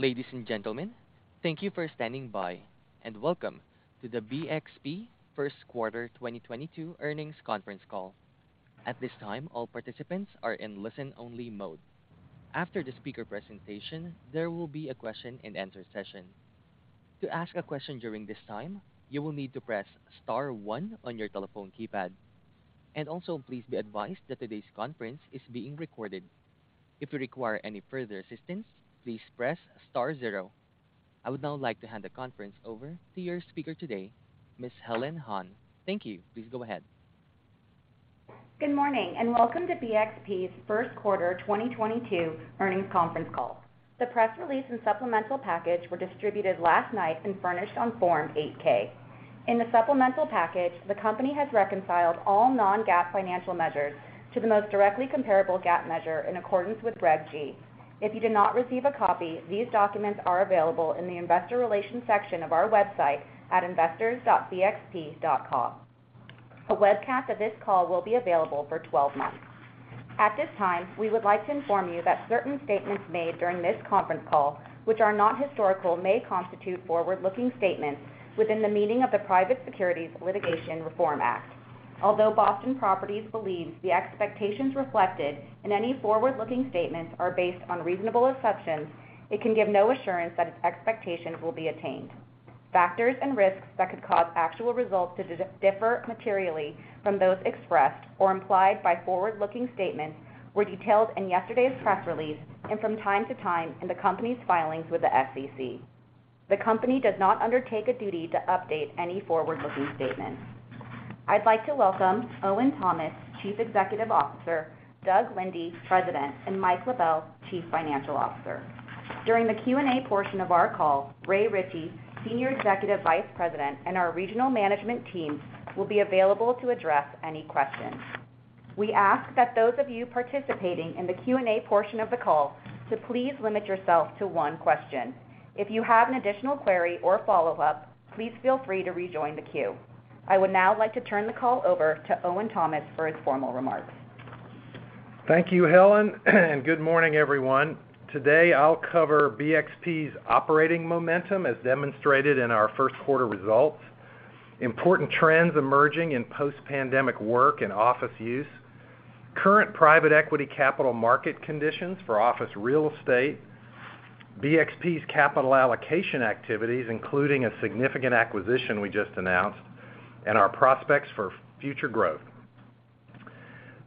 Ladies and gentlemen, thank you for standing by, and welcome to the BXP first quarter 2022 earnings conference call. At this time, all participants are in listen-only mode. After the speaker presentation, there will be a question-and-answer session. To ask a question during this time, you will need to press star one on your telephone keypad. Also please be advised that today's conference is being recorded. If you require any further assistance, please press star zero. I would now like to hand the conference over to your speaker today, Ms. Helen Han. Thank you. Please go ahead. Good morning, and welcome to BXP's first quarter 2022 earnings conference call. The press release and supplemental package were distributed last night and furnished on Form 8-K. In the supplemental package, the company has reconciled all non-GAAP financial measures to the most directly comparable GAAP measure in accordance with Reg G. If you did not receive a copy, these documents are available in the investor relations section of our website at investors.bxp.com. A webcast of this call will be available for 12 months. At this time, we would like to inform you that certain statements made during this conference call, which are not historical, may constitute forward-looking statements within the meaning of the Private Securities Litigation Reform Act. Although Boston Properties believes the expectations reflected in any forward-looking statements are based on reasonable assumptions, it can give no assurance that its expectations will be attained. Factors and risks that could cause actual results to differ materially from those expressed or implied by forward-looking statements were detailed in yesterday's press release and from time to time in the company's filings with the SEC. The company does not undertake a duty to update any forward-looking statements. I'd like to welcome Owen Thomas, Chief Executive Officer, Doug Linde, President, and Mike LaBelle, Chief Financial Officer. During the Q&A portion of our call, Ray Ritchie, Senior Executive Vice President, and our regional management team will be available to address any questions. We ask that those of you participating in the Q&A portion of the call to please limit yourself to one question. If you have an additional query or follow-up, please feel free to rejoin the queue. I would now like to turn the call over to Owen Thomas for his formal remarks. Thank you, Helen, and good morning, everyone. Today, I'll cover BXP's operating momentum as demonstrated in our first quarter results, important trends emerging in post-pandemic work and office use, current private equity capital market conditions for office real estate, BXP's capital allocation activities, including a significant acquisition we just announced, and our prospects for future growth.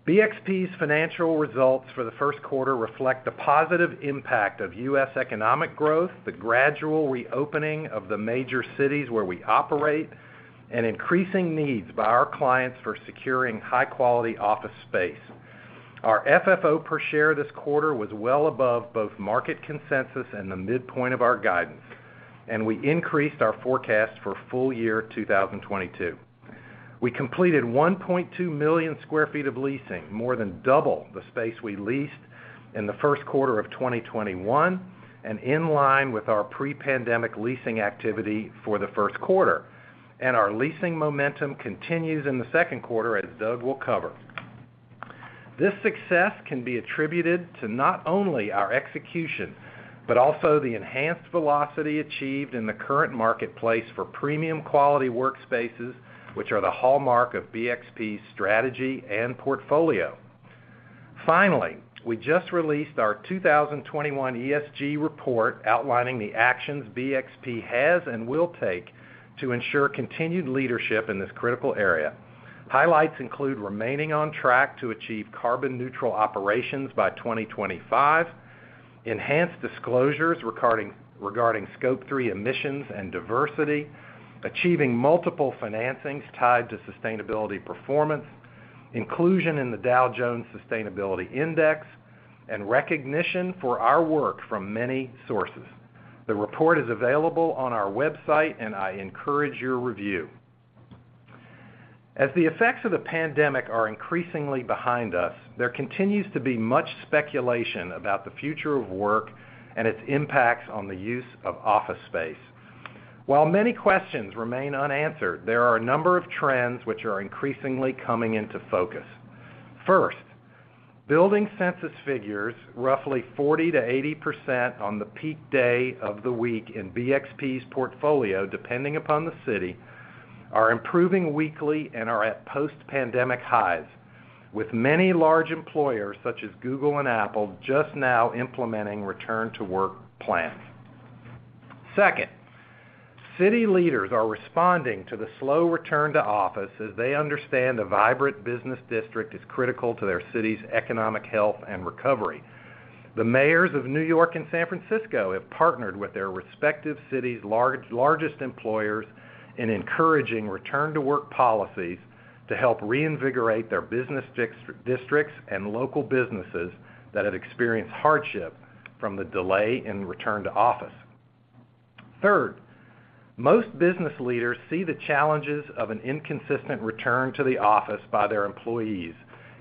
BXP's financial results for the first quarter reflect the positive impact of U.S. economic growth, the gradual reopening of the major cities where we operate, and increasing needs by our clients for securing high-quality office space. Our FFO per share this quarter was well above both market consensus and the midpoint of our guidance, and we increased our forecast for full year 2022. We completed 1.2 million sq ft of leasing, more than double the space we leased in the first quarter of 2021 and in line with our pre-pandemic leasing activity for the first quarter. Our leasing momentum continues in the second quarter, as Doug will cover. This success can be attributed to not only our execution, but also the enhanced velocity achieved in the current marketplace for premium quality workspaces, which are the hallmark of BXP's strategy and portfolio. Finally, we just released our 2021 ESG report outlining the actions BXP has and will take to ensure continued leadership in this critical area. Highlights include remaining on track to achieve carbon neutral operations by 2025, enhanced disclosures regarding Scope 3 emissions and diversity, achieving multiple financings tied to sustainability performance, inclusion in the Dow Jones Sustainability Index, and recognition for our work from many sources. The report is available on our website, and I encourage your review. As the effects of the pandemic are increasingly behind us, there continues to be much speculation about the future of work and its impacts on the use of office space. While many questions remain unanswered, there are a number of trends which are increasingly coming into focus. First, building census figures, roughly 40%-80% on the peak day of the week in BXP's portfolio, depending upon the city, are improving weekly and are at post-pandemic highs, with many large employers, such as Google and Apple, just now implementing return to work plans. Second, city leaders are responding to the slow return to office as they understand a vibrant business district is critical to their city's economic health and recovery. The mayors of New York and San Francisco have partnered with their respective cities' largest employers in encouraging return to work policies to help reinvigorate their business districts and local businesses that have experienced hardship from the delay in return to office. Third, most business leaders see the challenges of an inconsistent return to the office by their employees,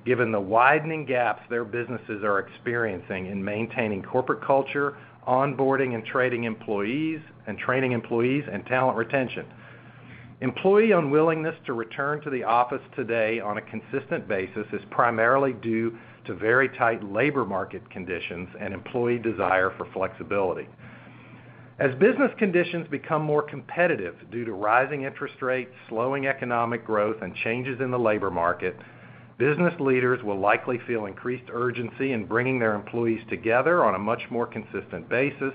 given the widening gaps their businesses are experiencing in maintaining corporate culture, onboarding and training employees, and talent retention. Employee unwillingness to return to the office today on a consistent basis is primarily due to very tight labor market conditions and employee desire for flexibility. As business conditions become more competitive due to rising interest rates, slowing economic growth, and changes in the labor market, business leaders will likely feel increased urgency in bringing their employees together on a much more consistent basis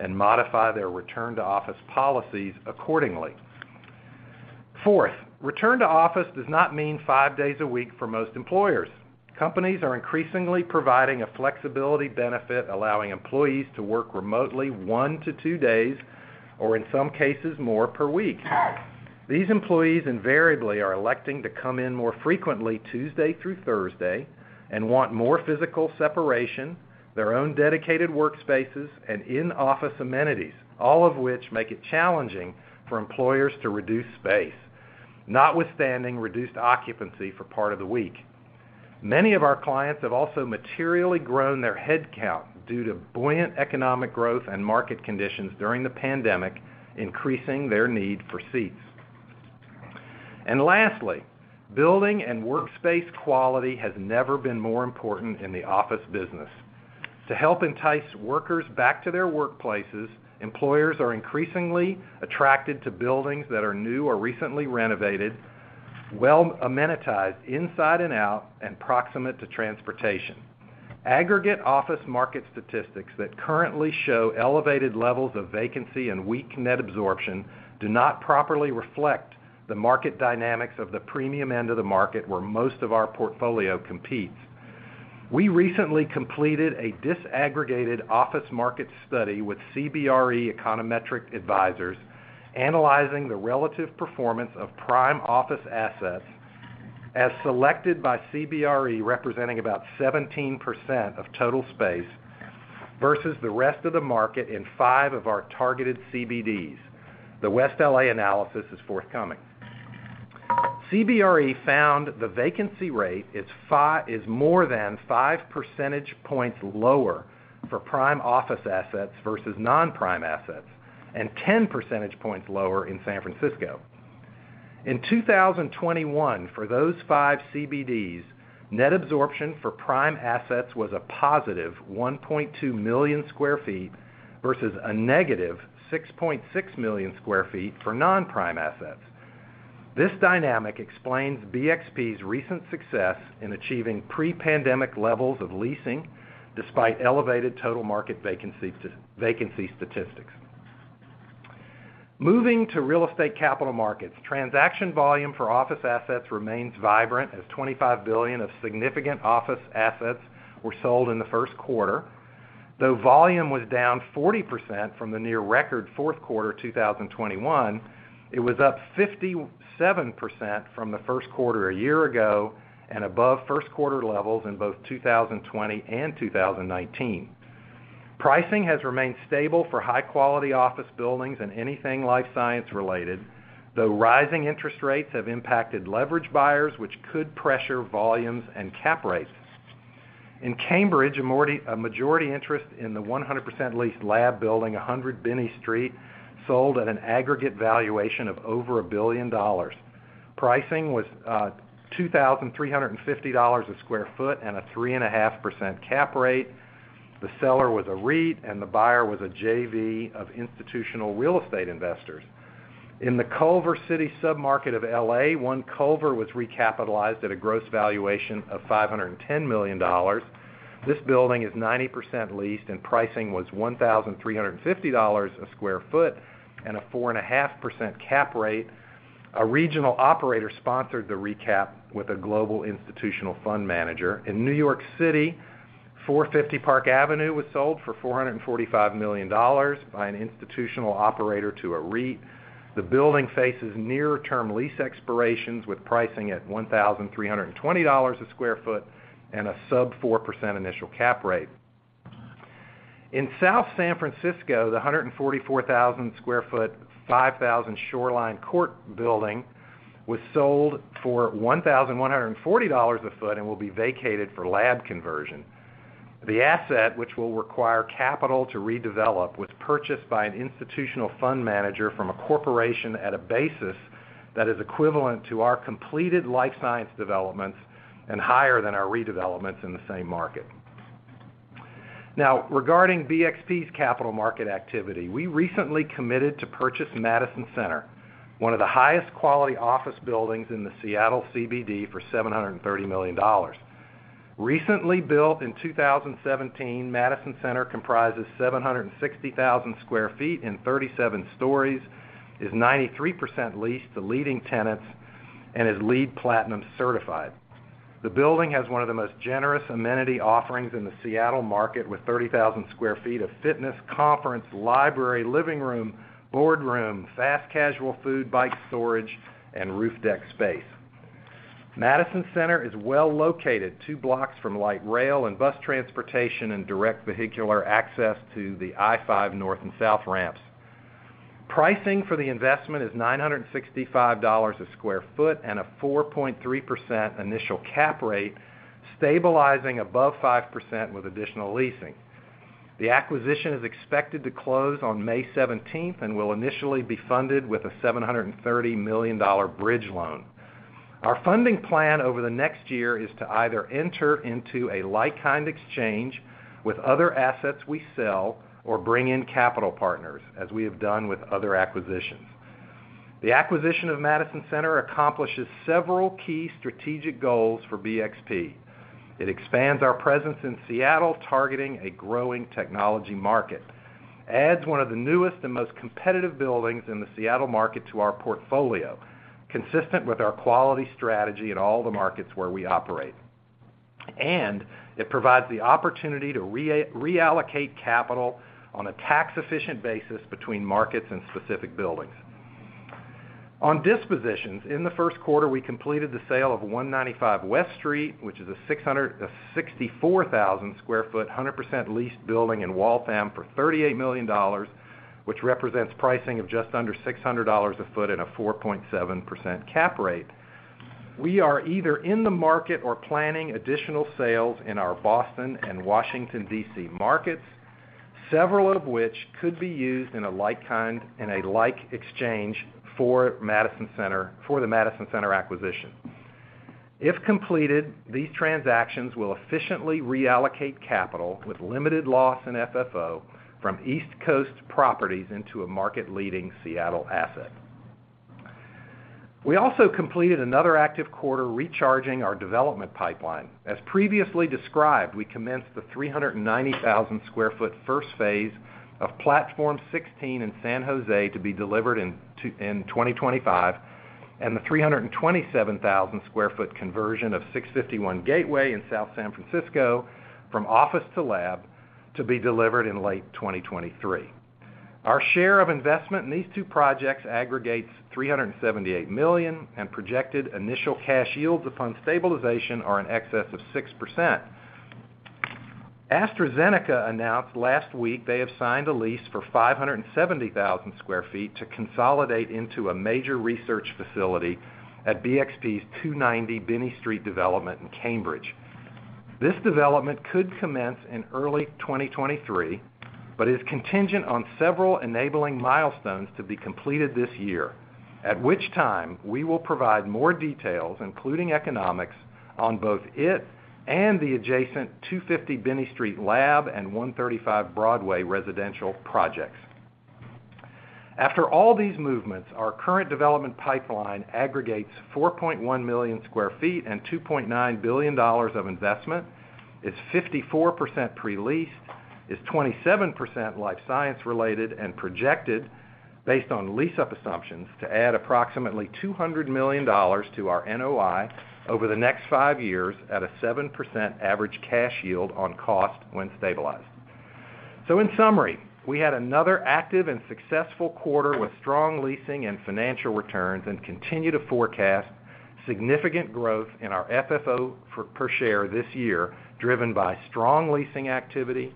and modify their return-to-office policies accordingly. Fourth, return to office does not mean five days a week for most employers. Companies are increasingly providing a flexibility benefit, allowing employees to work remotely one to two days, or in some cases, more per week. These employees invariably are electing to come in more frequently Tuesday through Thursday and want more physical separation, their own dedicated workspaces, and in-office amenities, all of which make it challenging for employers to reduce space, notwithstanding reduced occupancy for part of the week. Many of our clients have also materially grown their headcount due to buoyant economic growth and market conditions during the pandemic, increasing their need for seats. Lastly, building and workspace quality has never been more important in the office business. To help entice workers back to their workplaces, employers are increasingly attracted to buildings that are new or recently renovated, well amenitized inside and out, and proximate to transportation. Aggregate office market statistics that currently show elevated levels of vacancy and weak net absorption do not properly reflect the market dynamics of the premium end of the market where most of our portfolio competes. We recently completed a disaggregated office market study with CBRE Econometric Advisors analyzing the relative performance of prime office assets as selected by CBRE, representing about 17% of total space, versus the rest of the market in five of our targeted CBDs. The West LA analysis is forthcoming. CBRE found the vacancy rate is more than 5 percentage points lower for prime office assets versus non-prime assets and 10 percentage points lower in San Francisco. In 2021, for those five CBDs, net absorption for prime assets was a +1.2 million sq ft versus a -6.6 million sq ft for non-prime assets. This dynamic explains BXP's recent success in achieving pre-pandemic levels of leasing despite elevated total market vacancy statistics. Moving to real estate capital markets, transaction volume for office assets remains vibrant as $25 billion of significant office assets were sold in the first quarter. Though volume was down 40% from the near record fourth quarter 2021, it was up 57% from the first quarter a year ago and above first quarter levels in both 2020 and 2019. Pricing has remained stable for high-quality office buildings and anything life science related, though rising interest rates have impacted leverage buyers, which could pressure volumes and cap rates. In Cambridge, a majority interest in the 100% leased lab building, 100 Binney Street, sold at an aggregate valuation of over $1 billion. Pricing was $2,350 a sq ft and a 3.5% cap rate. The seller was a REIT, and the buyer was a JV of institutional real estate investors. In the Culver City submarket of L.A., One Culver was recapitalized at a gross valuation of $510 million. This building is 90% leased, and pricing was $1,350 a sq ft and a 4.5% cap rate. A regional operator sponsored the recap with a global institutional fund manager. In New York City, 450 Park Avenue was sold for $445 million by an institutional operator to a REIT. The building faces near-term lease expirations with pricing at $1,320 a sq ft and a sub-4% initial cap rate. In South San Francisco, the 144,000 sq ft, 5000 Shoreline Court building was sold for $1,140 a ft and will be vacated for lab conversion. The asset, which will require capital to redevelop, was purchased by an institutional fund manager from a corporation at a basis that is equivalent to our completed life science developments and higher than our redevelopments in the same market. Now, regarding BXP's capital market activity, we recently committed to purchase Madison Center, one of the highest quality office buildings in the Seattle CBD, for $730 million. Recently built in 2017, Madison Center comprises 760,000 sq ft and 37 stories, is 93% leased to leading tenants, and is LEED Platinum certified. The building has one of the most generous amenity offerings in the Seattle market, with 30,000 sq ft of fitness, conference, library, living room, boardroom, fast casual food, bike storage, and roof deck space. Madison Center is well-located two blocks from light rail and bus transportation and direct vehicular access to the I-5 North and South ramps. Pricing for the investment is $965 a sq ft and a 4.3% initial cap rate, stabilizing above 5% with additional leasing. The acquisition is expected to close on May 17th and will initially be funded with a $730 million bridge loan. Our funding plan over the next year is to either enter into a like-kind exchange with other assets we sell or bring in capital partners, as we have done with other acquisitions. The acquisition of Madison Center accomplishes several key strategic goals for BXP. It expands our presence in Seattle, targeting a growing technology market, adds one of the newest and most competitive buildings in the Seattle market to our portfolio, consistent with our quality strategy in all the markets where we operate, and it provides the opportunity to reallocate capital on a tax-efficient basis between markets and specific buildings. On dispositions, in the first quarter, we completed the sale of 195 West Street, which is a 664,000 sq ft, 100% leased building in Waltham for $38 million, which represents pricing of just under $600 a ft at a 4.7% cap rate. We are either in the market or planning additional sales in our Boston and Washington, D.C. markets, several of which could be used in a like-kind exchange for the Madison Center acquisition. If completed, these transactions will efficiently reallocate capital with limited loss in FFO from East Coast properties into a market-leading Seattle asset. We also completed another active quarter recharging our development pipeline. As previously described, we commenced the 390,000 sq ft first phase of Platform 16 in San Jose to be delivered in 2025, and the 327,000 sq ft conversion of 651 Gateway in South San Francisco from office to lab to be delivered in late 2023. Our share of investment in these two projects aggregates $378 million, and projected initial cash yields upon stabilization are in excess of 6%. AstraZeneca announced last week they have signed a lease for 570,000 sq ft to consolidate into a major research facility at BXP's 290 Binney Street development in Cambridge. This development could commence in early 2023, but is contingent on several enabling milestones to be completed this year, at which time we will provide more details, including economics, on both it and the adjacent 250 Binney Street lab and 135 Broadway residential projects. After all these movements, our current development pipeline aggregates 4.1 million sq ft and $2.9 billion of investment. It's 54% pre-leased, it's 27% life science related, and projected, based on lease-up assumptions, to add approximately $200 million to our NOI over the next five years at a 7% average cash yield on cost when stabilized. In summary, we had another active and successful quarter with strong leasing and financial returns and continue to forecast significant growth in our FFO per share this year, driven by strong leasing activity,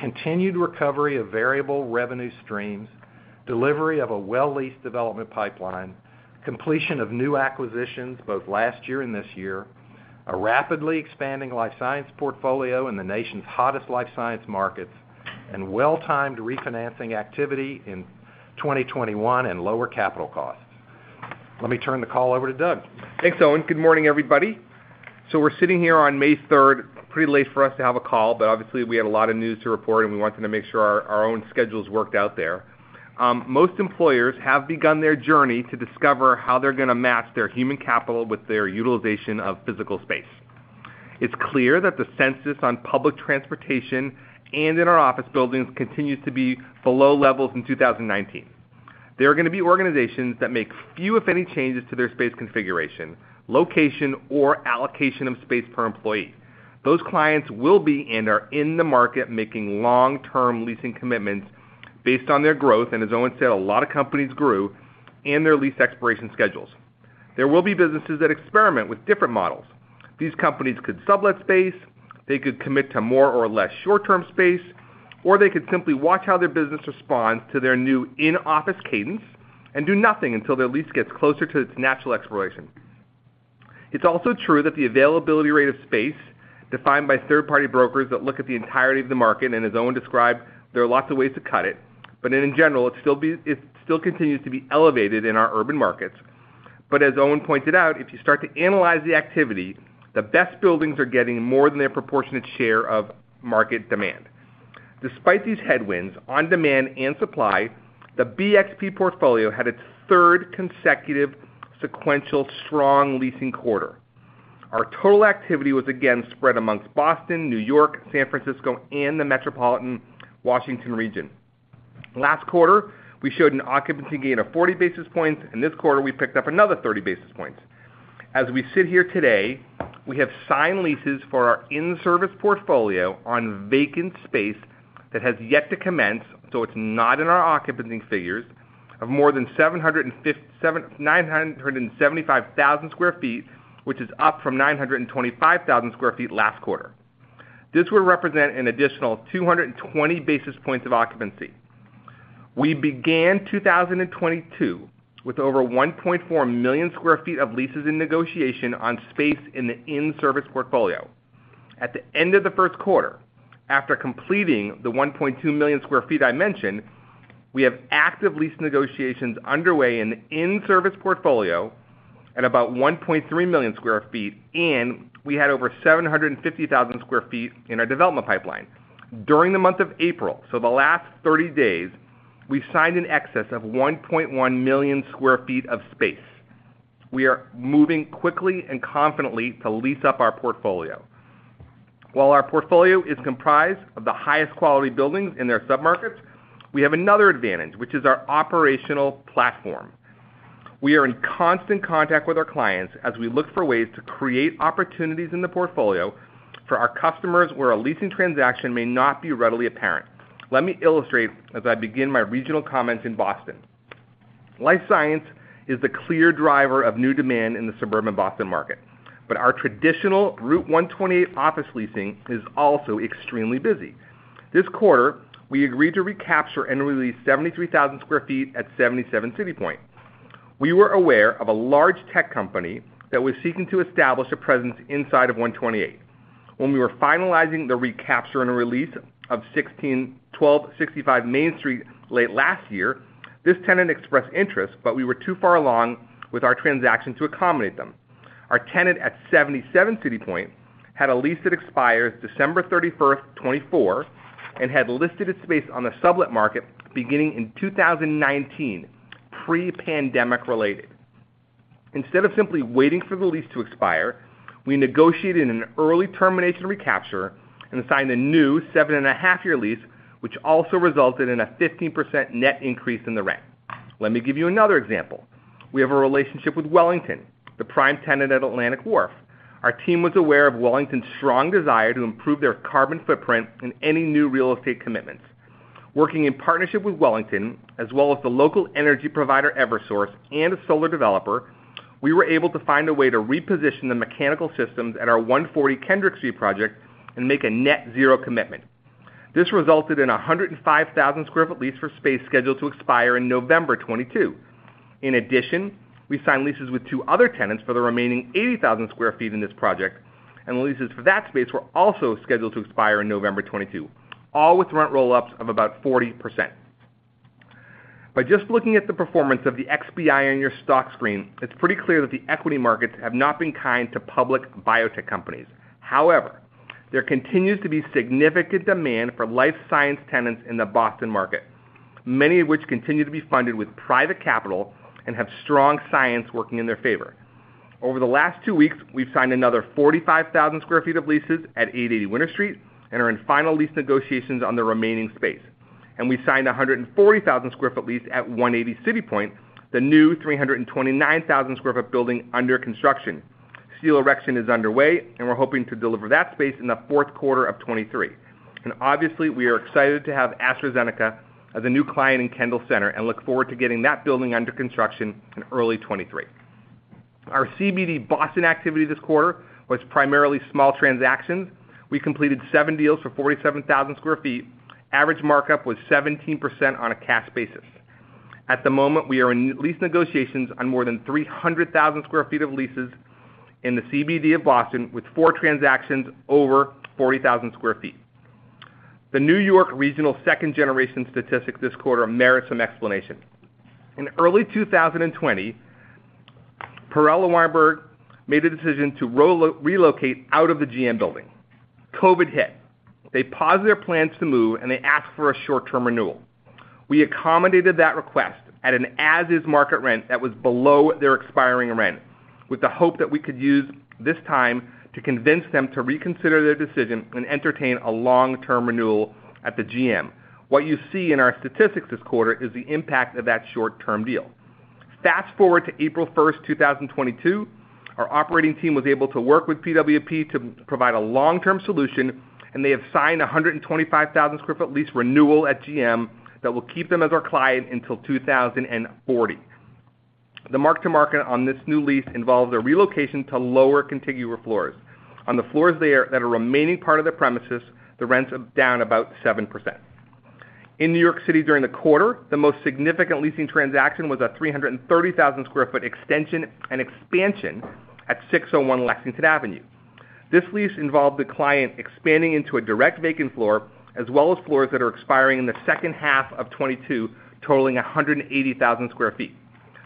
continued recovery of variable revenue streams, delivery of a well-leased development pipeline, completion of new acquisitions both last year and this year, a rapidly expanding life science portfolio in the nation's hottest life science markets, and well-timed refinancing activity in 2021 and lower capital costs. Let me turn the call over to Doug. Thanks, Owen. Good morning, everybody. We're sitting here on May third, pretty late for us to have a call, but obviously we had a lot of news to report and we wanted to make sure our own schedules worked out there. Most employers have begun their journey to discover how they're gonna match their human capital with their utilization of physical space. It's clear that the consensus on public transportation and in our office buildings continues to be below levels in 2019. There are gonna be organizations that make few, if any, changes to their space configuration, location, or allocation of space per employee. Those clients will be and are in the market making long-term leasing commitments based on their growth, and as Owen said, a lot of companies grew, and their lease expiration schedules. There will be businesses that experiment with different models. These companies could sublet space, they could commit to more or less short-term space, or they could simply watch how their business responds to their new in-office cadence and do nothing until their lease gets closer to its natural expiration. It's also true that the availability rate of space defined by third-party brokers that look at the entirety of the market, and as Owen described, there are lots of ways to cut it, but in general, it still continues to be elevated in our urban markets. As Owen pointed out, if you start to analyze the activity, the best buildings are getting more than their proportionate share of market demand. Despite these headwinds on demand and supply, the BXP portfolio had its third consecutive sequential strong leasing quarter. Our total activity was again spread amongst Boston, New York, San Francisco, and the metropolitan Washington region. Last quarter, we showed an occupancy gain of 40 basis points, and this quarter, we picked up another 30 basis points. As we sit here today, we have signed leases for our in-service portfolio on vacant space that has yet to commence, so it's not in our occupancy figures, of more than 975,000 sq ft, which is up from 925,000 sq ft last quarter. This would represent an additional 220 basis points of occupancy. We began 2022 with over 1.4 million sq ft of leases in negotiation on space in the in-service portfolio. At the end of the first quarter, after completing the 1.2 million sq ft I mentioned, we have active lease negotiations underway in in-service portfolio at about 1.3 million sq ft, and we had over 750,000 sq ft in our development pipeline. During the month of April, so the last 30 days, we've signed in excess of 1.1 million sq ft of space. We are moving quickly and confidently to lease up our portfolio. While our portfolio is comprised of the highest quality buildings in their submarkets, we have another advantage, which is our operational platform. We are in constant contact with our clients as we look for ways to create opportunities in the portfolio for our customers where a leasing transaction may not be readily apparent. Let me illustrate as I begin my regional comments in Boston. Life science is the clear driver of new demand in the suburban Boston market, but our traditional Route 128 office leasing is also extremely busy. This quarter, we agreed to recapture and release 73,000 sq ft at 77 City Point. We were aware of a large tech company that was seeking to establish a presence inside of 128. When we were finalizing the recapture and release of 1265 Main Street late last year, this tenant expressed interest, but we were too far along with our transaction to accommodate them. Our tenant at 77 City Point had a lease that expired December 31st, 2024, and had listed its space on the sublet market beginning in 2019, pre-pandemic related. Instead of simply waiting for the lease to expire, we negotiated an early termination recapture and signed a new 7.5-year lease, which also resulted in a 15% net increase in the rent. Let me give you another example. We have a relationship with Wellington, the prime tenant at Atlantic Wharf. Our team was aware of Wellington's strong desire to improve their carbon footprint in any new real estate commitments. Working in partnership with Wellington, as well as the local energy provider, Eversource, and a solar developer, we were able to find a way to reposition the mechanical systems at our 140 Kendrick Street project and make a net zero commitment. This resulted in a 105,000 sq ft lease for space scheduled to expire in November 2022. In addition, we signed leases with two other tenants for the remaining 80,000 sq ft in this project, and the leases for that space were also scheduled to expire in November 2022, all with rent roll-ups of about 40%. By just looking at the performance of the XBI on your stock screen, it's pretty clear that the equity markets have not been kind to public biotech companies. However, there continues to be significant demand for life science tenants in the Boston market, many of which continue to be funded with private capital and have strong science working in their favor. Over the last two weeks, we've signed another 45,000 sq ft of leases at 880 Winter Street and are in final lease negotiations on the remaining space. We signed a 140,000 sq ft lease at 180 City Point, the new 329,000 sq ft building under construction. Steel erection is underway, and we're hoping to deliver that space in the fourth quarter of 2023. Obviously, we are excited to have AstraZeneca as a new client in Kendall Center and look forward to getting that building under construction in early 2023. Our CBD Boston activity this quarter was primarily small transactions. We completed seven deals for 47,000 sq ft. Average markup was 17% on a cash basis. At the moment, we are in lease negotiations on more than 300,000 sq ft of leases in the CBD of Boston, with four transactions over 40,000 sq ft. The New York Regional second generation statistics this quarter merits some explanation. In early 2020, Perella Weinberg made the decision to relocate out of the GM building. COVID hit. They paused their plans to move, and they asked for a short-term renewal. We accommodated that request at an as-is market rent that was below their expiring rent with the hope that we could use this time to convince them to reconsider their decision and entertain a long-term renewal at the GM. What you see in our statistics this quarter is the impact of that short-term deal. Fast-forward to April 1st, 2022, our operating team was able to work with PWP to provide a long-term solution, and they have signed a 125,000 sq ft lease renewal at GM that will keep them as our client until 2040. The mark-to-market on this new lease involves a relocation to lower contiguous floors. On the floors there that are remaining part of the premises, the rents are down about 7%. In New York City during the quarter, the most significant leasing transaction was a 330,000 sq ft extension and expansion at 601 Lexington Avenue. This lease involved the client expanding into a direct vacant floor as well as floors that are expiring in the second half of 2022, totaling 180,000 sq ft.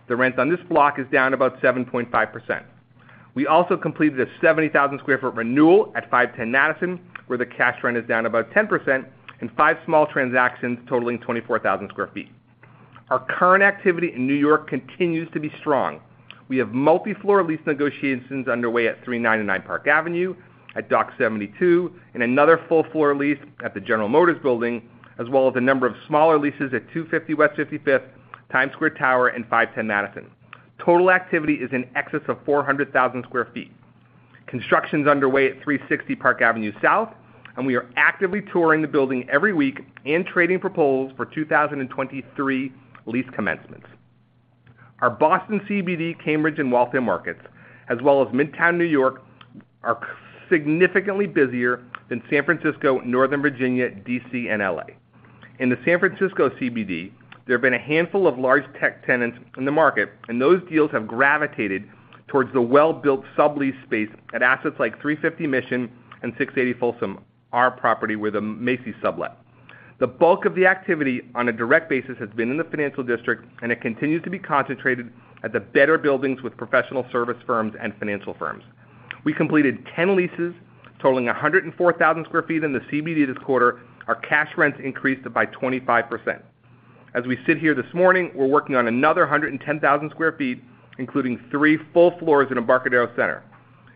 The rent on this block is down about 7.5%. We also completed a 70,000 sq ft renewal at 510 Madison, where the cash rent is down about 10% and five small transactions totaling 24,000 sq ft. Our current activity in New York continues to be strong. We have multi-floor lease negotiations underway at 399 Park Avenue, at Dock 72, and another full floor lease at the General Motors building, as well as a number of smaller leases at 250 West 55th, Times Square Tower, and 510 Madison. Total activity is in excess of 400,000 sq ft. Construction's underway at 360 Park Avenue South, and we are actively touring the building every week and trading proposals for 2023 lease commencements. Our Boston CBD, Cambridge, and Waltham markets, as well as Midtown New York, are significantly busier than San Francisco, Northern Virginia, D.C., and L.A. In the San Francisco CBD, there have been a handful of large tech tenants in the market, and those deals have gravitated towards the well-built sublease space at assets like 350 Mission and 680 Folsom, our property with a Macy's sublet. The bulk of the activity on a direct basis has been in the financial district, and it continues to be concentrated at the better buildings with professional service firms and financial firms. We completed 10 leases totaling 104,000 sq ft in the CBD this quarter. Our cash rents increased by 25%. As we sit here this morning, we're working on another 110,000 sq ft, including 3 full floors in Embarcadero Center,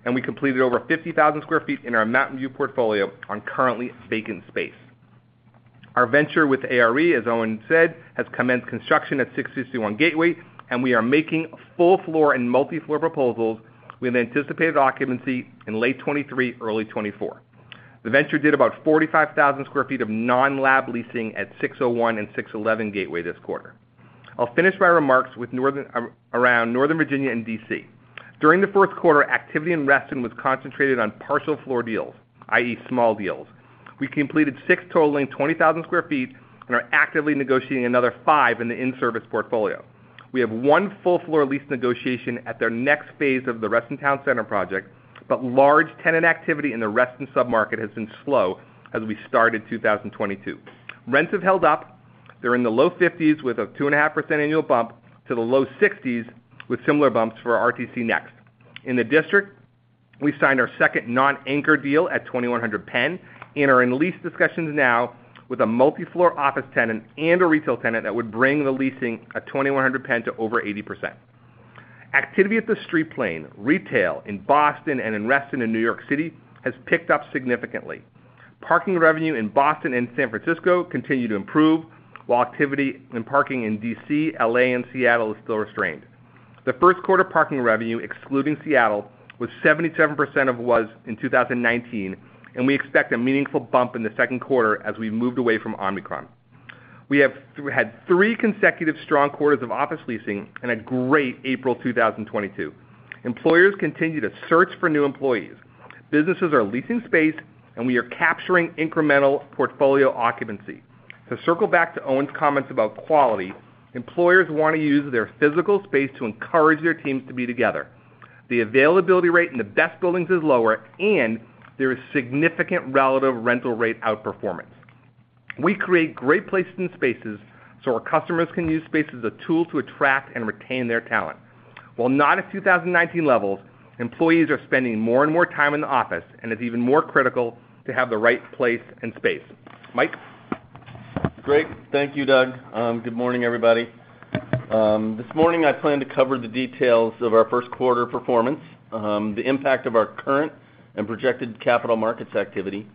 and we completed over 50,000 sq ft in our Mountain View portfolio on currently vacant space. Our venture with ARE, as Owen said, has commenced construction at 661 Gateway, and we are making full floor and multi-floor proposals with anticipated occupancy in late 2023, early 2024. The venture did about 45,000 sq ft of non-lab leasing at 601 and 611 Gateway this quarter. I'll finish my remarks with Northern Virginia and D.C. During the fourth quarter, activity in Reston was concentrated on partial floor deals, i.e., small deals. We completed six totaling 20,000 sq ft and are actively negotiating another five in the in-service portfolio. We have one full floor lease negotiation at their next phase of the Reston Town Center project, but large tenant activity in the Reston sub-market has been slow as we started 2022. Rents have held up. They're in the low 50s% with a 2.5% annual bump to the low 60s% with similar bumps for RTC Next. In the district, we signed our second non-anchor deal at 2100 Penn and are in lease discussions now with a multi-floor office tenant and a retail tenant that would bring the leasing at 2100 Penn to over 80%. Activity at the street plane, retail in Boston and in Reston and New York City has picked up significantly. Parking revenue in Boston and San Francisco continues to improve, while activity in parking in D.C., L.A., and Seattle is still restrained. The first quarter parking revenue, excluding Seattle, was 77% of what it was in 2019, and we expect a meaningful bump in the second quarter as we move away from Omicron. We had three consecutive strong quarters of office leasing and a great April 2022. Employers continue to search for new employees. Businesses are leasing space, and we are capturing incremental portfolio occupancy. To circle back to Owen's comments about quality, employers wanna use their physical space to encourage their teams to be together. The availability rate in the best buildings is lower, and there is significant relative rental rate outperformance. We create great places and spaces so our customers can use space as a tool to attract and retain their talent. While not at 2019 levels, employees are spending more and more time in the office and it's even more critical to have the right place and space. Mike? Great. Thank you, Doug. Good morning, everybody. This morning, I plan to cover the details of our first quarter performance, the impact of our current and projected capital markets activity,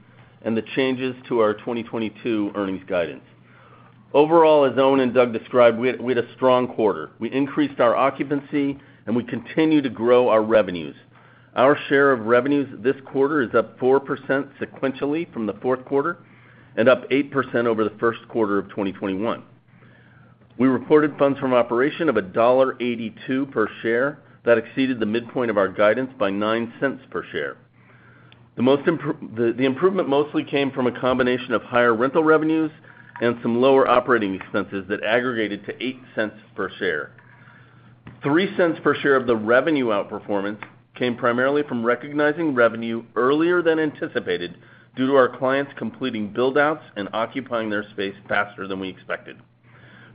and the changes to our 2022 earnings guidance. Overall, as Owen and Doug described, we had a strong quarter. We increased our occupancy, and we continue to grow our revenues. Our share of revenues this quarter is up 4% sequentially from the fourth quarter and up 8% over the first quarter of 2021. We reported funds from operations of $1.82 per share. That exceeded the midpoint of our guidance by $0.09 per share. The improvement mostly came from a combination of higher rental revenues and some lower operating expenses that aggregated to $0.08 per share. $0.03 per share of the revenue outperformance came primarily from recognizing revenue earlier than anticipated due to our clients completing build-outs and occupying their space faster than we expected.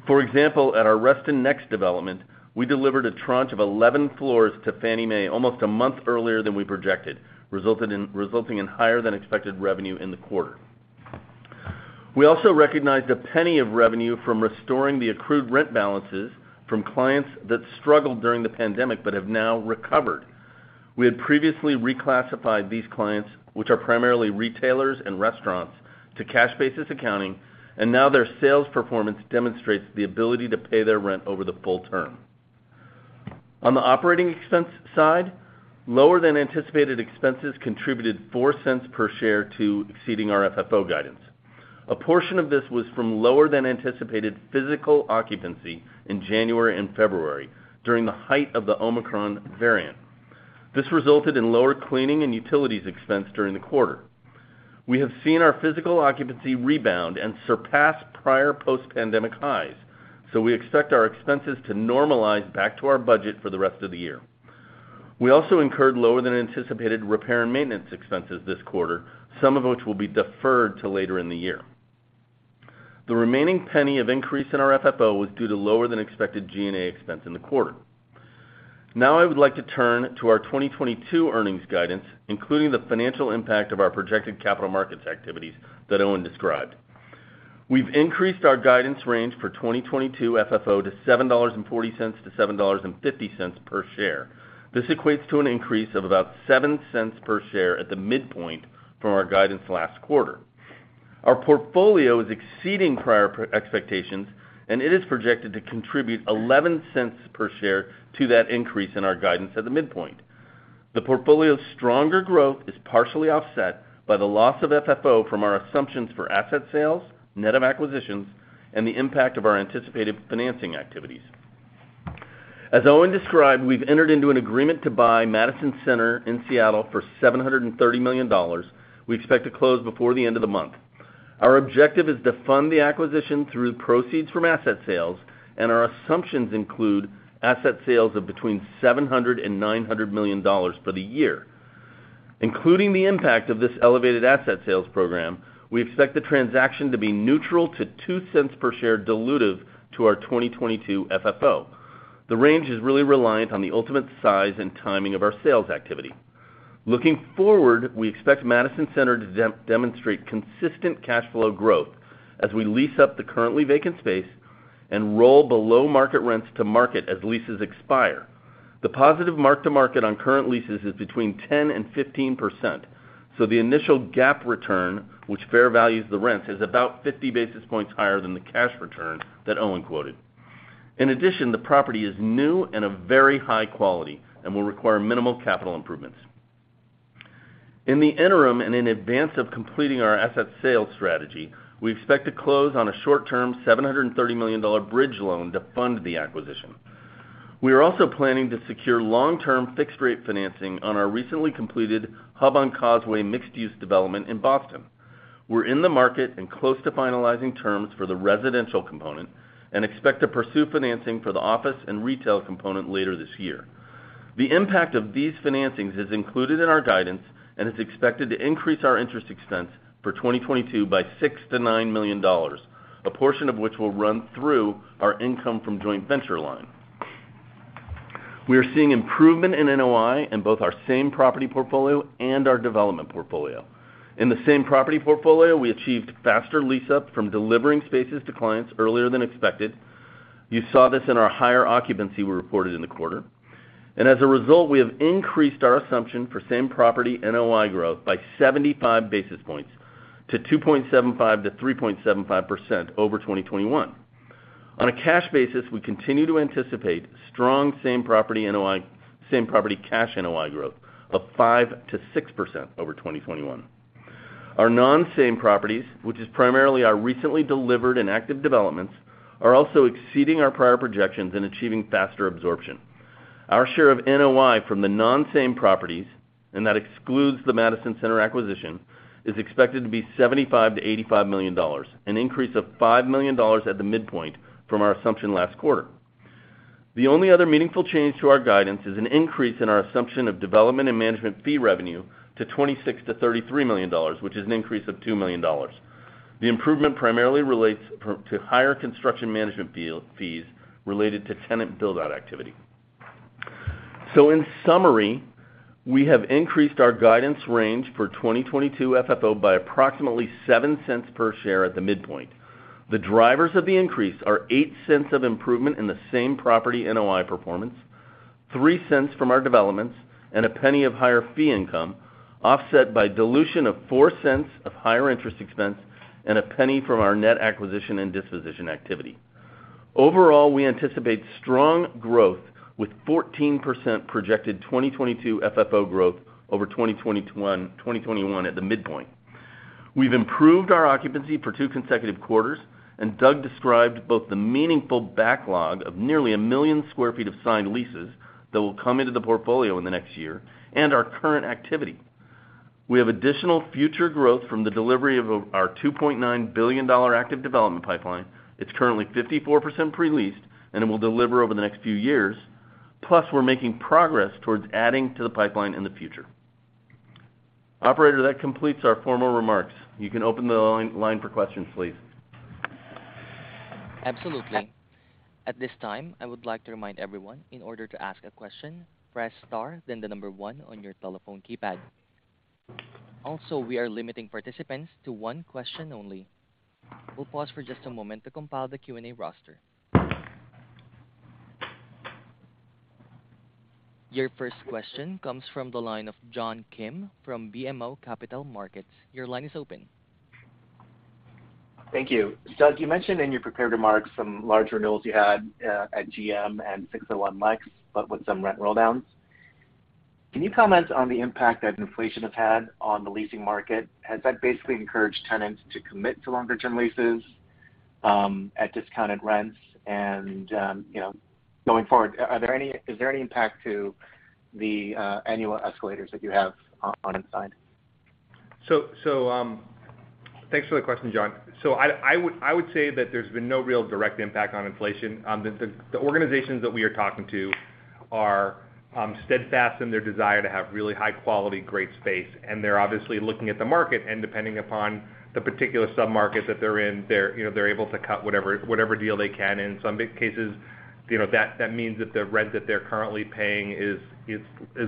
For example, at our Reston Next development, we delivered a tranche of 11 floors to Fannie Mae almost a month earlier than we projected, resulting in higher than expected revenue in the quarter. We also recognized $0.01 of revenue from restoring the accrued rent balances from clients that struggled during the pandemic but have now recovered. We had previously reclassified these clients, which are primarily retailers and restaurants, to cash basis accounting, and now their sales performance demonstrates the ability to pay their rent over the full term. On the operating expense side, lower than anticipated expenses contributed $0.04 per share to exceeding our FFO guidance. A portion of this was from lower than anticipated physical occupancy in January and February during the height of the Omicron variant. This resulted in lower cleaning and utilities expense during the quarter. We have seen our physical occupancy rebound and surpass prior post-pandemic highs, so we expect our expenses to normalize back to our budget for the rest of the year. We also incurred lower than anticipated repair and maintenance expenses this quarter, some of which will be deferred to later in the year. The remaining penny of increase in our FFO was due to lower than expected G&A expense in the quarter. Now I would like to turn to our 2022 earnings guidance, including the financial impact of our projected capital markets activities that Owen described. We've increased our guidance range for 2022 FFO to $7.40-$7.50 per share. This equates to an increase of about $0.07 per share at the midpoint from our guidance last quarter. Our portfolio is exceeding prior expectations, and it is projected to contribute $0.11 per share to that increase in our guidance at the midpoint. The portfolio's stronger growth is partially offset by the loss of FFO from our assumptions for asset sales, net of acquisitions, and the impact of our anticipated financing activities. As Owen described, we've entered into an agreement to buy Madison Center in Seattle for $730 million. We expect to close before the end of the month. Our objective is to fund the acquisition through proceeds from asset sales, and our assumptions include asset sales of between $700 million and $900 million for the year. Including the impact of this elevated asset sales program, we expect the transaction to be neutral to $0.02 per share dilutive to our 2022 FFO. The range is really reliant on the ultimate size and timing of our sales activity. Looking forward, we expect Madison Center to demonstrate consistent cash flow growth as we lease up the currently vacant space and roll below market rents to market as leases expire. The positive mark-to-market on current leases is between 10% and 15%, so the initial GAAP return, which fair values the rents, is about 50 basis points higher than the cash return that Owen quoted. In addition, the property is new and of very high quality and will require minimal capital improvements. In the interim, and in advance of completing our asset sales strategy, we expect to close on a short-term $730 million bridge loan to fund the acquisition. We are also planning to secure long-term fixed rate financing on our recently completed Hub on Causeway mixed-use development in Boston. We're in the market and close to finalizing terms for the residential component and expect to pursue financing for the office and retail component later this year. The impact of these financings is included in our guidance and is expected to increase our interest expense for 2022 by $6 million-$9 million, a portion of which will run through our income from joint venture line. We are seeing improvement in NOI in both our same-property portfolio and our development portfolio. In the same-property portfolio, we achieved faster lease up from delivering spaces to clients earlier than expected. You saw this in our higher occupancy we reported in the quarter. As a result, we have increased our assumption for same-property NOI growth by 75 basis points to 2.75%-3.75% over 2021. On a cash basis, we continue to anticipate strong same-property NOI, same-property cash NOI growth of 5%-6% over 2021. Our non-same properties, which is primarily our recently delivered and active developments, are also exceeding our prior projections in achieving faster absorption. Our share of NOI from the non-same-store properties, and that excludes the Madison Center acquisition, is expected to be $75 million-$85 million, an increase of $5 million at the midpoint from our assumption last quarter. The only other meaningful change to our guidance is an increase in our assumption of development and management fee revenue to $26 million-$33 million, which is an increase of $2 million. The improvement primarily relates to higher construction management fees related to tenant build-out activity. In summary, we have increased our guidance range for 2022 FFO by approximately $0.07 per share at the midpoint. The drivers of the increase are $0.08 of improvement in the same-property NOI performance, $0.03 from our developments, and $0.01 of higher fee income, offset by dilution of $0.04 of higher interest expense and $0.01 from our net acquisition and disposition activity. Overall, we anticipate strong growth with 14% projected 2022 FFO growth over 2021 at the midpoint. We've improved our occupancy for two consecutive quarters, and Doug described both the meaningful backlog of nearly 1 million sq ft of signed leases that will come into the portfolio in the next year and our current activity. We have additional future growth from the delivery of our $2.9 billion active development pipeline. It's currently 54% pre-leased, and it will deliver over the next few years. Plus, we're making progress towards adding to the pipeline in the future. Operator, that completes our formal remarks. You can open the line for questions, please. Absolutely. At this time, I would like to remind everyone, in order to ask a question, press star then the number one on your telephone keypad. Also, we are limiting participants to one question only. We'll pause for just a moment to compile the Q&A roster. Your first question comes from the line of John Kim from BMO Capital Markets. Your line is open. Thank you. Doug, you mentioned in your prepared remarks some large renewals you had at GM and 601 Lex, but with some rent rolldowns. Can you comment on the impact that inflation has had on the leasing market? Has that basically encouraged tenants to commit to longer-term leases at discounted rents? You know, going forward, is there any impact to the annual escalators that you have on site? Thanks for the question, John. I would say that there's been no real direct impact on inflation. The organizations that we are talking to are steadfast in their desire to have really high-quality, great space, and they're obviously looking at the market, and depending upon the particular sub-market that they're in, they're, you know, able to cut whatever deal they can. In some big cases, you know, that means that the rent that they're currently paying is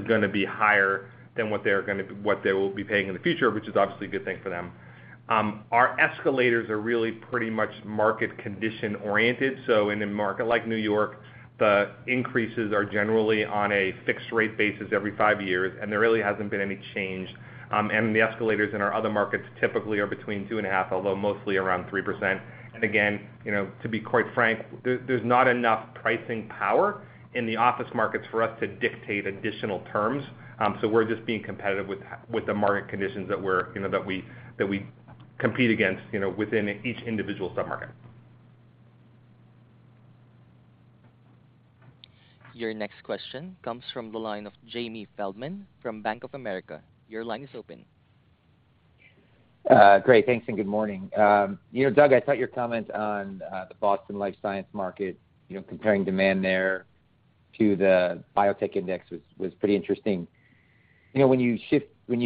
gonna be higher than what they will be paying in the future, which is obviously a good thing for them. Our escalators are really pretty much market condition oriented. In a market like New York, the increases are generally on a fixed rate basis every five years, and there really hasn't been any change. The escalators in our other markets typically are between 2.5%, although mostly around 3%. You know, to be quite frank, there's not enough pricing power in the office markets for us to dictate additional terms. We're just being competitive with the market conditions, you know, that we operate in. Compete against, you know, within each individual submarket. Your next question comes from the line of Jamie Feldman from Bank of America. Your line is open. Great, thanks, and good morning. You know, Doug, I thought your comment on the Boston life science market, you know, comparing demand there to the biotech index was pretty interesting. You know, when you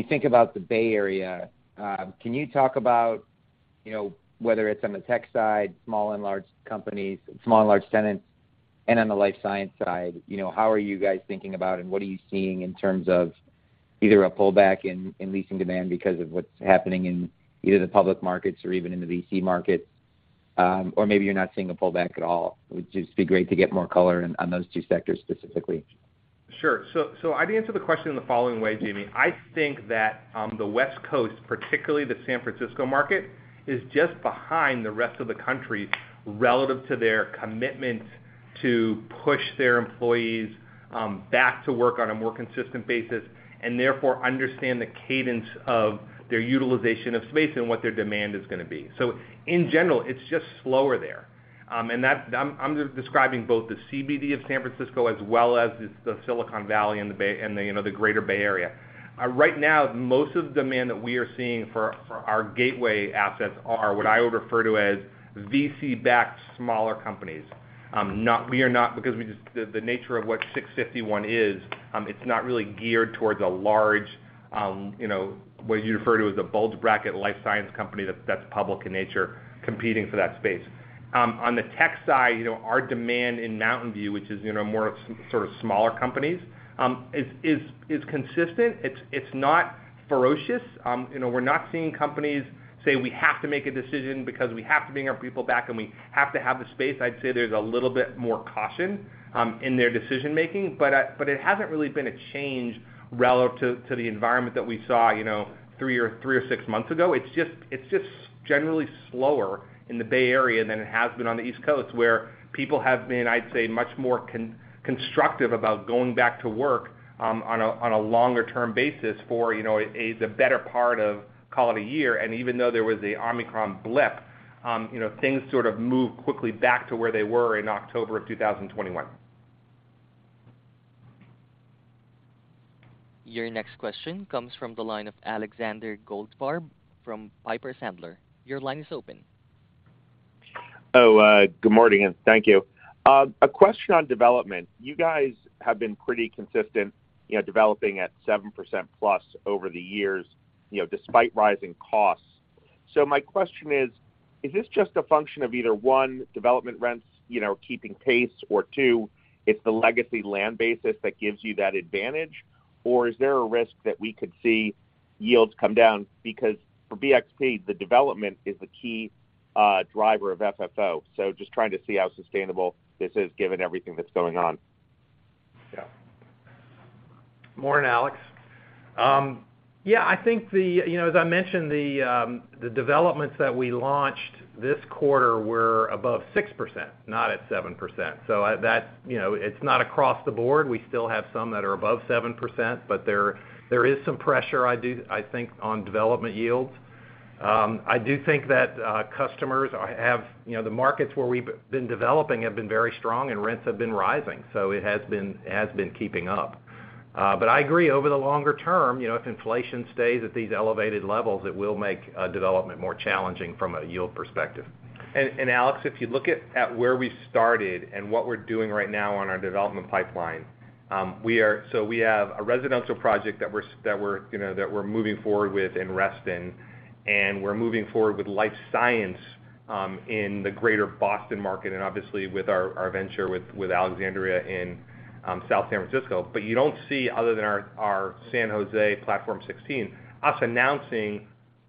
think about the Bay Area, can you talk about, you know, whether it's on the tech side, small and large companies, small and large tenants, and on the life science side, you know, how are you guys thinking about and what are you seeing in terms of either a pullback in leasing demand because of what's happening in either the public markets or even in the VC markets? Or maybe you're not seeing a pullback at all. It would just be great to get more color on those two sectors specifically. Sure. I'd answer the question in the following way, Jamie. I think that the West Coast, particularly the San Francisco market, is just behind the rest of the country relative to their commitment to push their employees back to work on a more consistent basis, and therefore understand the cadence of their utilization of space and what their demand is gonna be. In general, it's just slower there. That's. I'm describing both the CBD of San Francisco as well as the Silicon Valley and the Bay, and you know, the Greater Bay Area. Right now, most of the demand that we are seeing for our Gateway assets are what I would refer to as VC-backed smaller companies. The nature of what 651 is, it's not really geared towards a large, you know, what you'd refer to as a bulge bracket life science company that's public in nature competing for that space. On the tech side, you know, our demand in Mountain View, which is, you know, more of sort of smaller companies, is consistent. It's not ferocious. You know, we're not seeing companies say, "We have to make a decision because we have to bring our people back, and we have to have the space." I'd say there's a little bit more caution in their decision-making. It hasn't really been a change relative to the environment that we saw, you know, three or six months ago. It's just generally slower in the Bay Area than it has been on the East Coast, where people have been, I'd say, much more constructive about going back to work on a longer term basis for, you know, the better part of, call it a year. Even though there was the Omicron blip, you know, things sort of moved quickly back to where they were in October of 2021. Your next question comes from the line of Alexander Goldfarb from Piper Sandler. Your line is open. Good morning, and thank you. A question on development. You guys have been pretty consistent, you know, developing at 7%+ over the years, you know, despite rising costs. My question is this just a function of either, one, development rents, you know, keeping pace, or, two, it's the legacy land basis that gives you that advantage? Or is there a risk that we could see yields come down? Because for BXP, the development is the key driver of FFO. Just trying to see how sustainable this is given everything that's going on. Yeah. Morning, Alex. I think the developments that we launched this quarter were above 6%, not at 7%. At that, you know, it's not across the board. We still have some that are above 7%, but there is some pressure I think on development yields. I do think that customers have. You know, the markets where we've been developing have been very strong and rents have been rising, so it has been keeping up. I agree over the longer term, you know, if inflation stays at these elevated levels, it will make development more challenging from a yield perspective. Alex, if you look at where we started and what we're doing right now on our development pipeline, we have a residential project that we're, you know, that we're moving forward with in Reston, and we're moving forward with life science in the greater Boston market and obviously with our venture with Alexandria in South San Francisco. You don't see other than our San Jose Platform 16, us announcing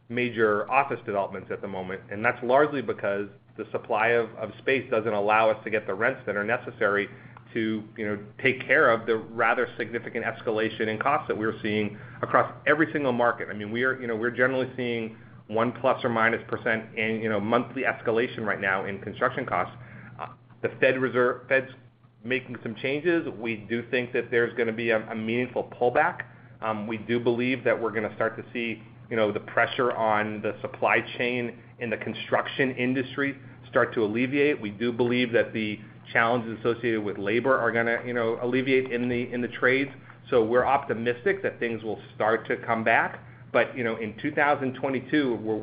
major office developments at the moment. That's largely because the supply of space doesn't allow us to get the rents that are necessary to, you know, take care of the rather significant escalation in costs that we're seeing across every single market. I mean, we are, you know, we're generally seeing ±1% in, you know, monthly escalation right now in construction costs. The Federal Reserve's making some changes. We do think that there's gonna be a meaningful pullback. We do believe that we're gonna start to see the pressure on the supply chain in the construction industry start to alleviate. We do believe that the challenges associated with labor are gonna alleviate in the trades. We're optimistic that things will start to come back. You know, in 2022, where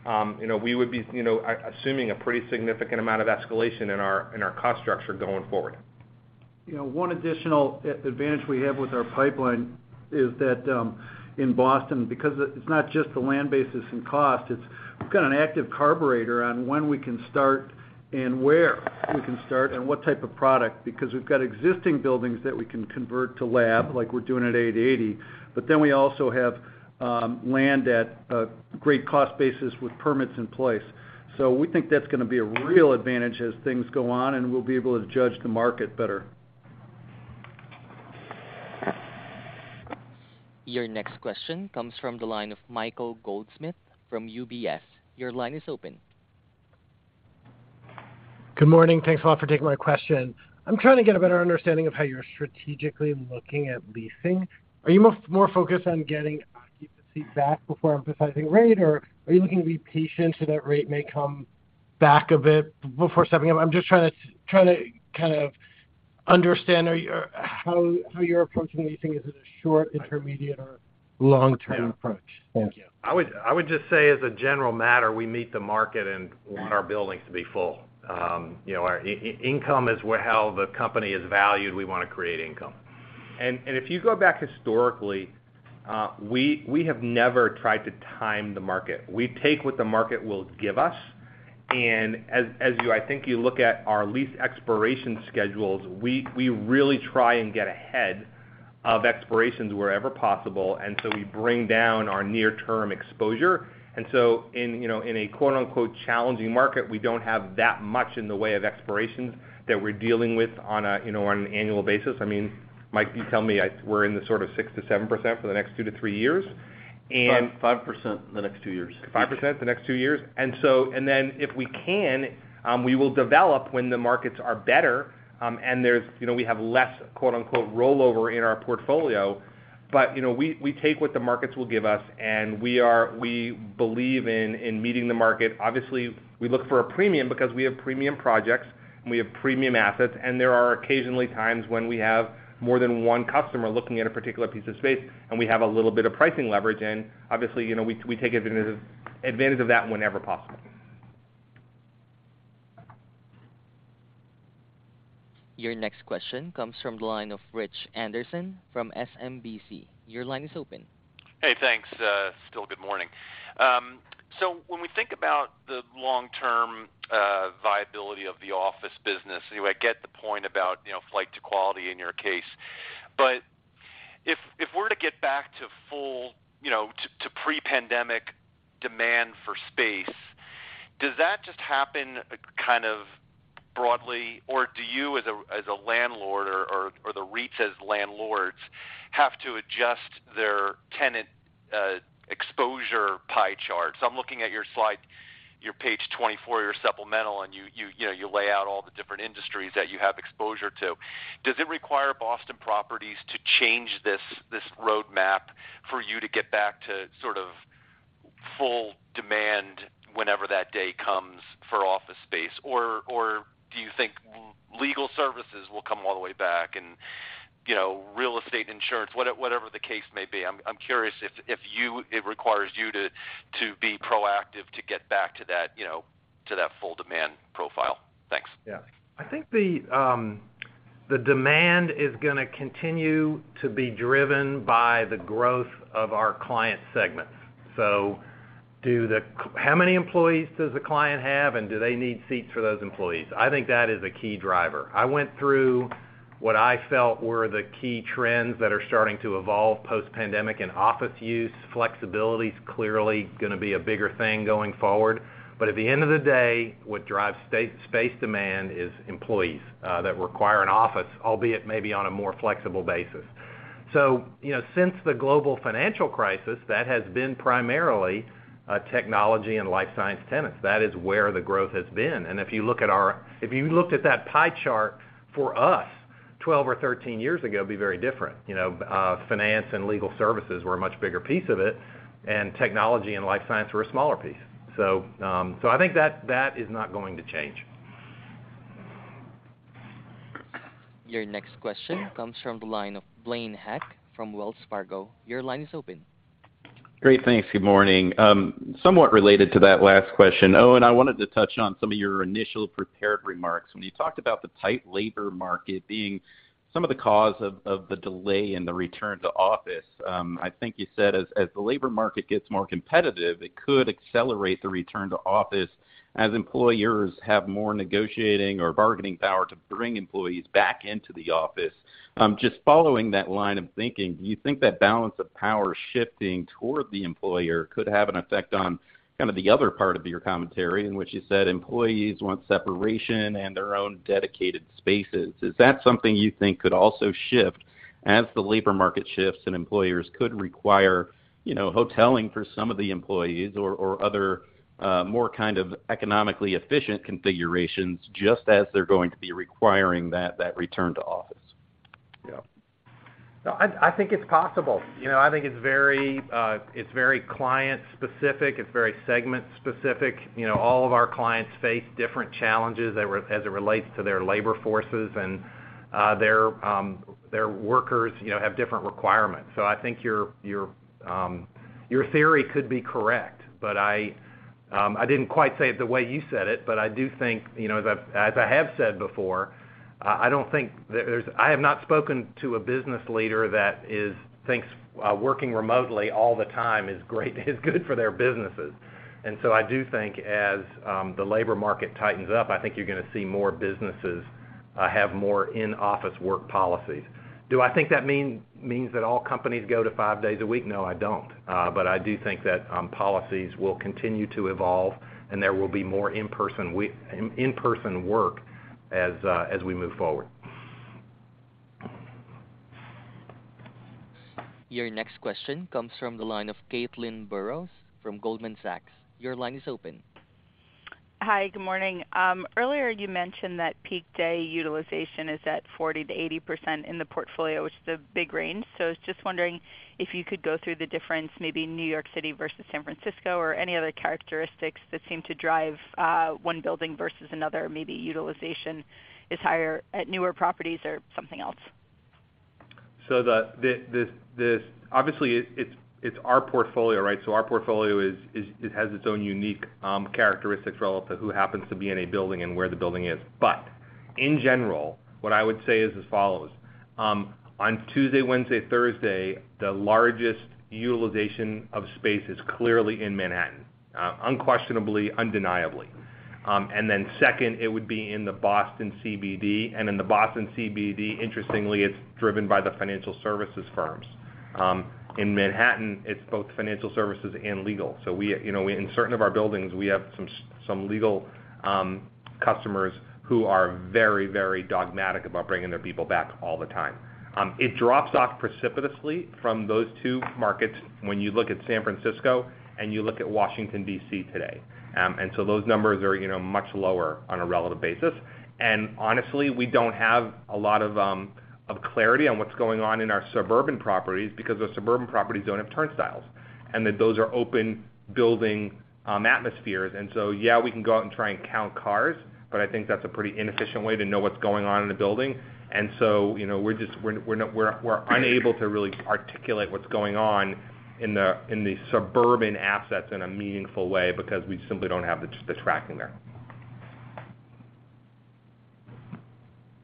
we just start a project, we would be assuming a pretty significant amount of escalation in our cost structure going forward. You know, one additional advantage we have with our pipeline is that, in Boston, because it's not just the land basis and cost, it's we've got an active entitlement on when we can start and where we can start and what type of product, because we've got existing buildings that we can convert to lab, like we're doing at 880. We also have land at a great cost basis with permits in place. We think that's gonna be a real advantage as things go on, and we'll be able to judge the market better. Your next question comes from the line of Michael Goldsmith from UBS. Your line is open. Good morning. Thanks a lot for taking my question. I'm trying to get a better understanding of how you're strategically looking at leasing. Are you more focused on getting occupancy back before emphasizing rate, or are you looking to be patient so that rate may come back a bit before stepping up? I'm just trying to kind of understand how you're approaching leasing. Is it a short, intermediate, or long-term approach? Thank you. I would just say as a general matter, we meet the market and want our buildings to be full. You know, our income is how the company is valued. We want to create income. If you go back historically, we have never tried to time the market. We take what the market will give us. As you—I think you look at our lease expiration schedules, we really try and get ahead of expirations wherever possible, and so we bring down our near-term exposure. In a quote-unquote challenging market, we don't have that much in the way of expirations that we're dealing with on an annual basis. You know, I mean, Mike, you tell me, we're in the sort of 6%-7% for the next two to three years. And- 5.5% the next two years. 5% the next two years. If we can, we will develop when the markets are better, and there's, you know, we have less quote-unquote, rollover in our portfolio. You know, we take what the markets will give us, and we believe in meeting the market. Obviously, we look for a premium because we have premium projects, and we have premium assets. There are occasionally times when we have more than one customer looking at a particular piece of space, and we have a little bit of pricing leverage in. Obviously, you know, we take advantage of that whenever possible. Your next question comes from the line of Rich Anderson from SMBC. Your line is open. Hey, thanks. Good morning. When we think about the long-term viability of the office business, anyway, I get the point about, you know, flight to quality in your case. If we're to get back to full, you know, to pre-pandemic demand for space, does that just happen kind of broadly, or do you as a landlord or the REITs as landlords have to adjust their tenant exposure pie chart? I'm looking at your slide, your page 24, your supplemental, and you know, you lay out all the different industries that you have exposure to. Does it require Boston Properties to change this roadmap for you to get back to sort of full demand whenever that day comes for office space? Or do you think legal services will come all the way back and, you know, real estate insurance, whatever the case may be? I'm curious if it requires you to be proactive to get back to that, you know, to that full demand profile. Thanks. Yeah. I think the demand is gonna continue to be driven by the growth of our client segments. How many employees does the client have, and do they need seats for those employees? I think that is a key driver. I went through what I felt were the key trends that are starting to evolve post-pandemic and office use. Flexibility is clearly gonna be a bigger thing going forward. At the end of the day, what drives space demand is employees that require an office, albeit maybe on a more flexible basis. You know, since the global financial crisis, that has been primarily technology and life science tenants. That is where the growth has been. If you looked at that pie chart for us 12 or 13 years ago, it'd be very different. You know, finance and legal services were a much bigger piece of it, and technology and life science were a smaller piece. I think that is not going to change. Your next question comes from the line of Blaine Heck from Wells Fargo. Your line is open. Great. Thanks. Good morning. Somewhat related to that last question. Owen, I wanted to touch on some of your initial prepared remarks. When you talked about the tight labor market being some of the cause of the delay in the return to office. I think you said as the labor market gets more competitive, it could accelerate the return to office as employers have more negotiating or bargaining power to bring employees back into the office. Just following that line of thinking, do you think that balance of power shifting toward the employer could have an effect on kind of the other part of your commentary in which you said employees want separation and their own dedicated spaces? Is that something you think could also shift as the labor market shifts and employers could require, you know, hoteling for some of the employees or other, more kind of economically efficient configurations just as they're going to be requiring that return to office? Yeah. No, I think it's possible. You know, I think it's very client-specific. It's very segment-specific. You know, all of our clients face different challenges as it relates to their labor forces and their workers have different requirements. So I think your theory could be correct, but I didn't quite say it the way you said it, but I do think, you know, as I have said before, I have not spoken to a business leader that thinks working remotely all the time is great, is good for their businesses. I do think as the labor market tightens up, I think you're gonna see more businesses have more in-office work policies. Do I think that means that all companies go to five days a week? No, I don't. I do think that policies will continue to evolve and there will be more in-person work as we move forward. Your next question comes from the line of Caitlin Burrows from Goldman Sachs. Your line is open. Hi. Good morning. Earlier you mentioned that peak day utilization is at 40%-80% in the portfolio, which is a big range. I was just wondering if you could go through the difference, maybe New York City versus San Francisco or any other characteristics that seem to drive one building versus another. Maybe utilization is higher at newer properties or something else. This obviously it's our portfolio, right? Our portfolio is it has its own unique characteristics relevant to who happens to be in a building and where the building is. In general, what I would say is as follows. On Tuesday, Wednesday, Thursday, the largest utilization of space is clearly in Manhattan, unquestionably, undeniably. Then second, it would be in the Boston CBD. In the Boston CBD, interestingly, it's driven by the financial services firms. In Manhattan, it's both financial services and legal. We, you know, in certain of our buildings, we have some legal customers who are very, very dogmatic about bringing their people back all the time. It drops off precipitously from those two markets when you look at San Francisco and you look at Washington, D.C. today. Those numbers are, you know, much lower on a relative basis. Honestly, we don't have a lot of clarity on what's going on in our suburban properties because those suburban properties don't have turnstiles, and those are open building atmospheres. Yeah, we can go out and try and count cars, but I think that's a pretty inefficient way to know what's going on in the building. You know, we're just not able to really articulate what's going on in the suburban assets in a meaningful way because we simply don't have the tracking there.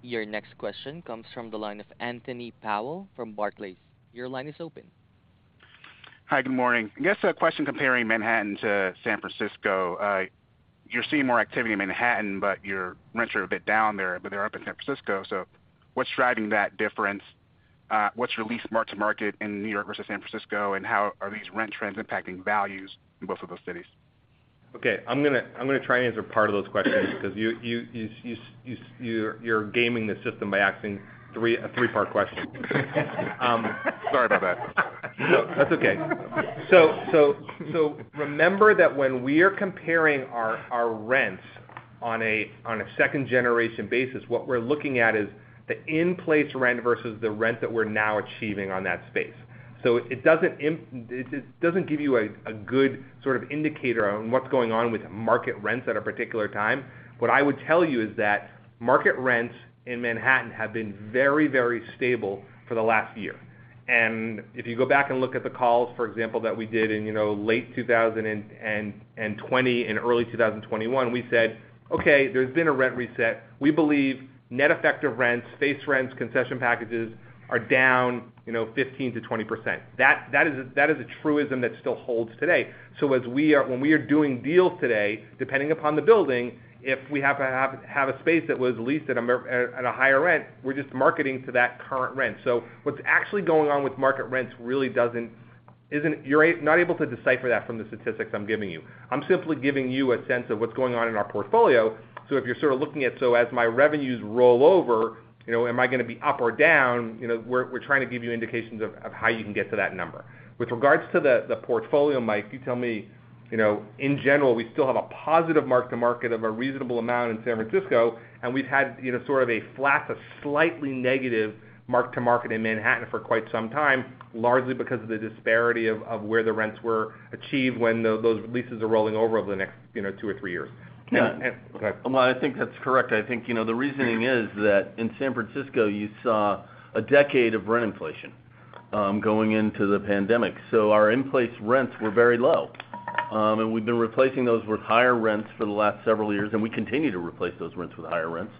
Your next question comes from the line of Anthony Pallone from Barclays. Your line is open. Hi. Good morning. I guess a question comparing Manhattan to San Francisco. You're seeing more activity in Manhattan, but your rents are a bit down there, but they're up in San Francisco. What's driving that difference? What's your lease mark-to-market in New York versus San Francisco? And how are these rent trends impacting values in both of those cities? Okay, I'm gonna try and answer part of those questions because you're gaming the system by asking a three-part question. Sorry about that. No, that's okay. Remember that when we are comparing our rents on a second generation basis, what we're looking at is the in-place rent versus the rent that we're now achieving on that space. It doesn't give you a good sort of indicator on what's going on with market rents at a particular time. What I would tell you is that market rents in Manhattan have been very, very stable for the last year. If you go back and look at the calls, for example, that we did in, you know, late 2020 and early 2021, we said, "Okay, there's been a rent reset. We believe net effect of rents, space rents, concession packages are down, you know, 15%-20%." That is a truism that still holds today. When we are doing deals today, depending upon the building, if we have to have a space that was leased at a higher rent, we're just marketing to that current rent. What's actually going on with market rents really, you're not able to decipher that from the statistics I'm giving you. I'm simply giving you a sense of what's going on in our portfolio. If you're sort of looking at as my revenues roll over, you know, am I gonna be up or down? You know, we're trying to give you indications of how you can get to that number. With regards to the portfolio, Mike, you tell me, you know, in general, we still have a positive mark-to-market of a reasonable amount in San Francisco, and we've had, you know, sort of a flat to slightly negative mark-to-market in Manhattan for quite some time, largely because of the disparity of where the rents were achieved when those leases are rolling over the next, you know, two or three years. Yeah. Go ahead. Well, I think that's correct. I think, you know, the reasoning is that in San Francisco, you saw a decade of rent inflation going into the pandemic. Our in-place rents were very low. We've been replacing those with higher rents for the last several years, and we continue to replace those rents with higher rents.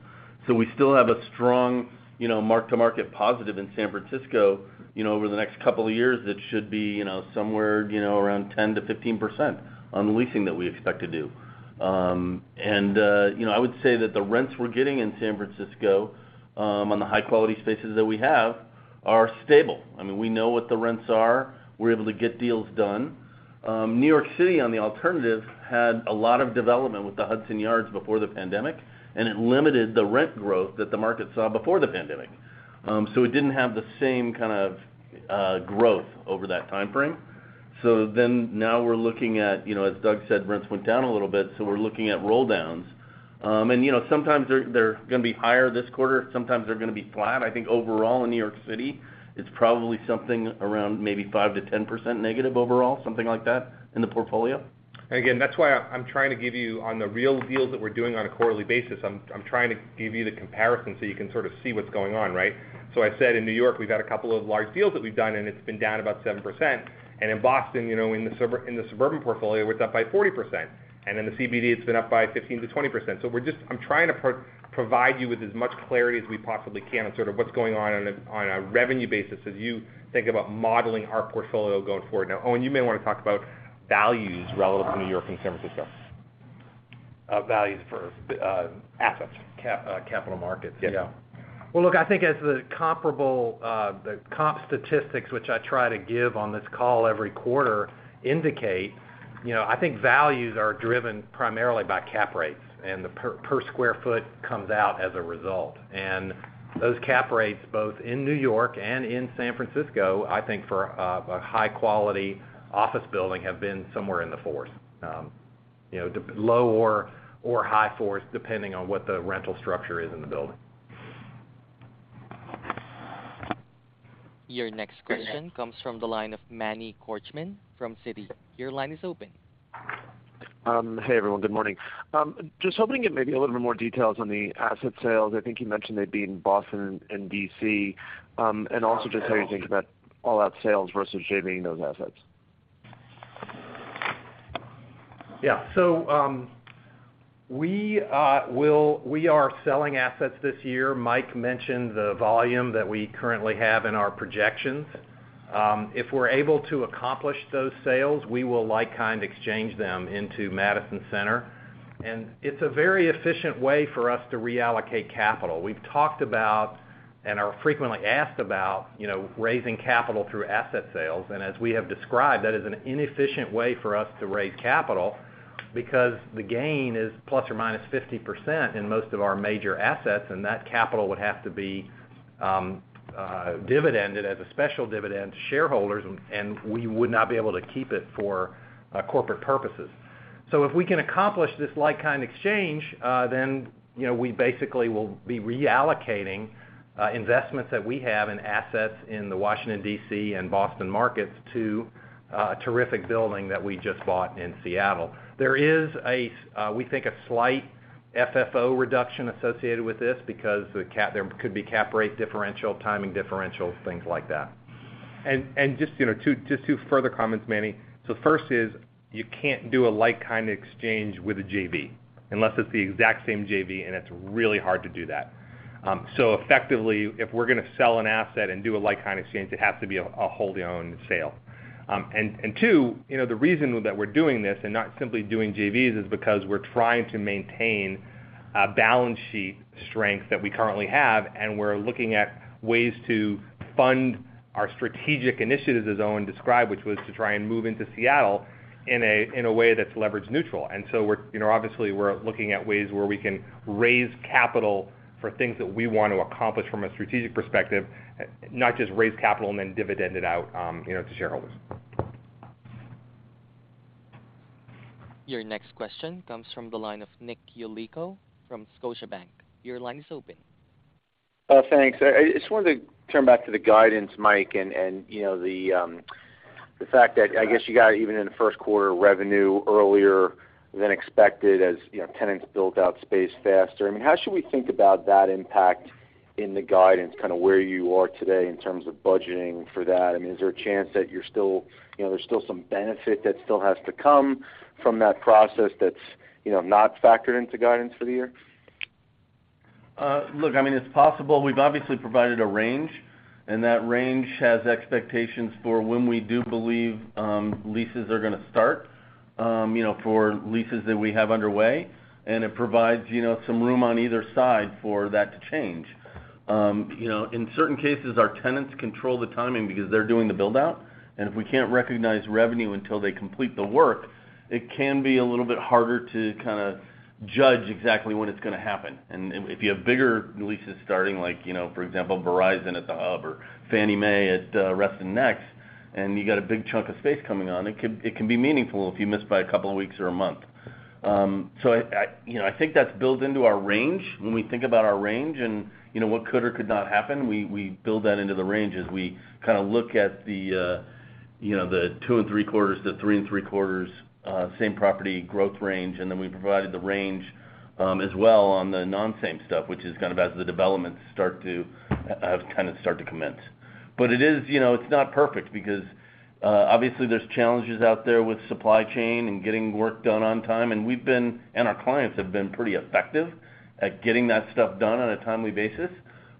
We still have a strong, you know, mark-to-market positive in San Francisco. You know, over the next couple of years it should be, you know, somewhere, you know, around 10%-15% on the leasing that we expect to do. You know, I would say that the rents we're getting in San Francisco on the high quality spaces that we have are stable. I mean, we know what the rents are. We're able to get deals done. New York City on the alternative had a lot of development with the Hudson Yards before the pandemic, and it limited the rent growth that the market saw before the pandemic. It didn't have the same kind of growth over that timeframe. Now we're looking at, you know, as Doug said, rents went down a little bit, so we're looking at roll downs. You know, sometimes they're gonna be higher this quarter, sometimes they're gonna be flat. I think overall in New York City, it's probably something around maybe 5%-10% negative overall, something like that in the portfolio. Again, that's why I'm trying to give you on the real deals that we're doing on a quarterly basis, I'm trying to give you the comparison so you can sort of see what's going on, right? I said in New York, we've had a couple of large deals that we've done, and it's been down about 7%. In Boston, you know, in the suburban portfolio, we're up by 40%, and in the CBD it's been up by 15%-20%. I'm trying to provide you with as much clarity as we possibly can on sort of what's going on a revenue basis as you think about modeling our portfolio going forward. Now, Owen, you may wanna talk about values relative to New York and San Francisco. Values for assets. capital markets. Yeah. Yeah. Well, look, I think as the comparable, the comp statistics, which I try to give on this call every quarter indicate. You know, I think values are driven primarily by cap rates, and the per square foot comes out as a result. Those cap rates, both in New York and in San Francisco, I think for a high quality office building have been somewhere in the fours. You know, low or high fours, depending on what the rental structure is in the building. Your next question comes from the line of Manny Korchman from Citi. Your line is open. Hey, everyone. Good morning. Just hoping to get maybe a little bit more details on the asset sales. I think you mentioned they'd be in Boston and D.C. Just how you think about all-out sales versus JV-ing those assets? Yeah. We are selling assets this year. Mike mentioned the volume that we currently have in our projections. If we're able to accomplish those sales, we will like-kind exchange them into Madison Center. It's a very efficient way for us to reallocate capital. We've talked about and are frequently asked about, you know, raising capital through asset sales. As we have described, that is an inefficient way for us to raise capital because the gain is ±50% in most of our major assets, and that capital would have to be dividend as a special dividend to shareholders, and we would not be able to keep it for corporate purposes. If we can accomplish this like-kind exchange, then, you know, we basically will be reallocating investments that we have in assets in the Washington, D.C. and Boston markets to a terrific building that we just bought in Seattle. There is, we think, a slight FFO reduction associated with this because there could be cap rate differential, timing differential, things like that. Just two further comments, Manny. First is, you can't do a like-kind exchange with a JV, unless it's the exact same JV, and it's really hard to do that. Effectively, if we're gonna sell an asset and do a like-kind exchange, it has to be a wholly-owned sale. Two, you know, the reason that we're doing this and not simply doing JVs is because we're trying to maintain a balance sheet strength that we currently have, and we're looking at ways to fund our strategic initiatives, as Owen described, which was to try and move into Seattle in a way that's leverage neutral. We're, you know, obviously looking at ways where we can raise capital for things that we want to accomplish from a strategic perspective, not just raise capital and then dividend it out, you know, to shareholders. Your next question comes from the line of Nick Yulico from Scotiabank. Your line is open. Thanks. I just wanted to turn back to the guidance, Mike, and you know, the fact that I guess you got even in the first quarter revenue earlier than expected, as you know, tenants built out space faster. I mean, how should we think about that impact in the guidance, kind of where you are today in terms of budgeting for that? I mean, is there a chance that you're still, you know, there's still some benefit that still has to come from that process that's you know, not factored into guidance for the year? Look, I mean, it's possible. We've obviously provided a range, and that range has expectations for when we do believe leases are gonna start, you know, for leases that we have underway, and it provides, you know, some room on either side for that to change. You know, in certain cases, our tenants control the timing because they're doing the build-out, and if we can't recognize revenue until they complete the work, it can be a little bit harder to kinda judge exactly when it's gonna happen. If you have bigger leases starting like, you know, for example, Verizon at The Hub or Fannie Mae at Reston Next, and you got a big chunk of space coming on, it can be meaningful if you missed by a couple of weeks or a month. I you know I think that's built into our range when we think about our range and you know what could or could not happen. We build that into the range as we kinda look at the 2.75%-3.75% same property growth range, and then we provided the range as well on the non-same stuff, which is kind of as the developments start to kind of start to commence. It is you know it's not perfect because obviously there's challenges out there with supply chain and getting work done on time, and we've been and our clients have been pretty effective at getting that stuff done on a timely basis,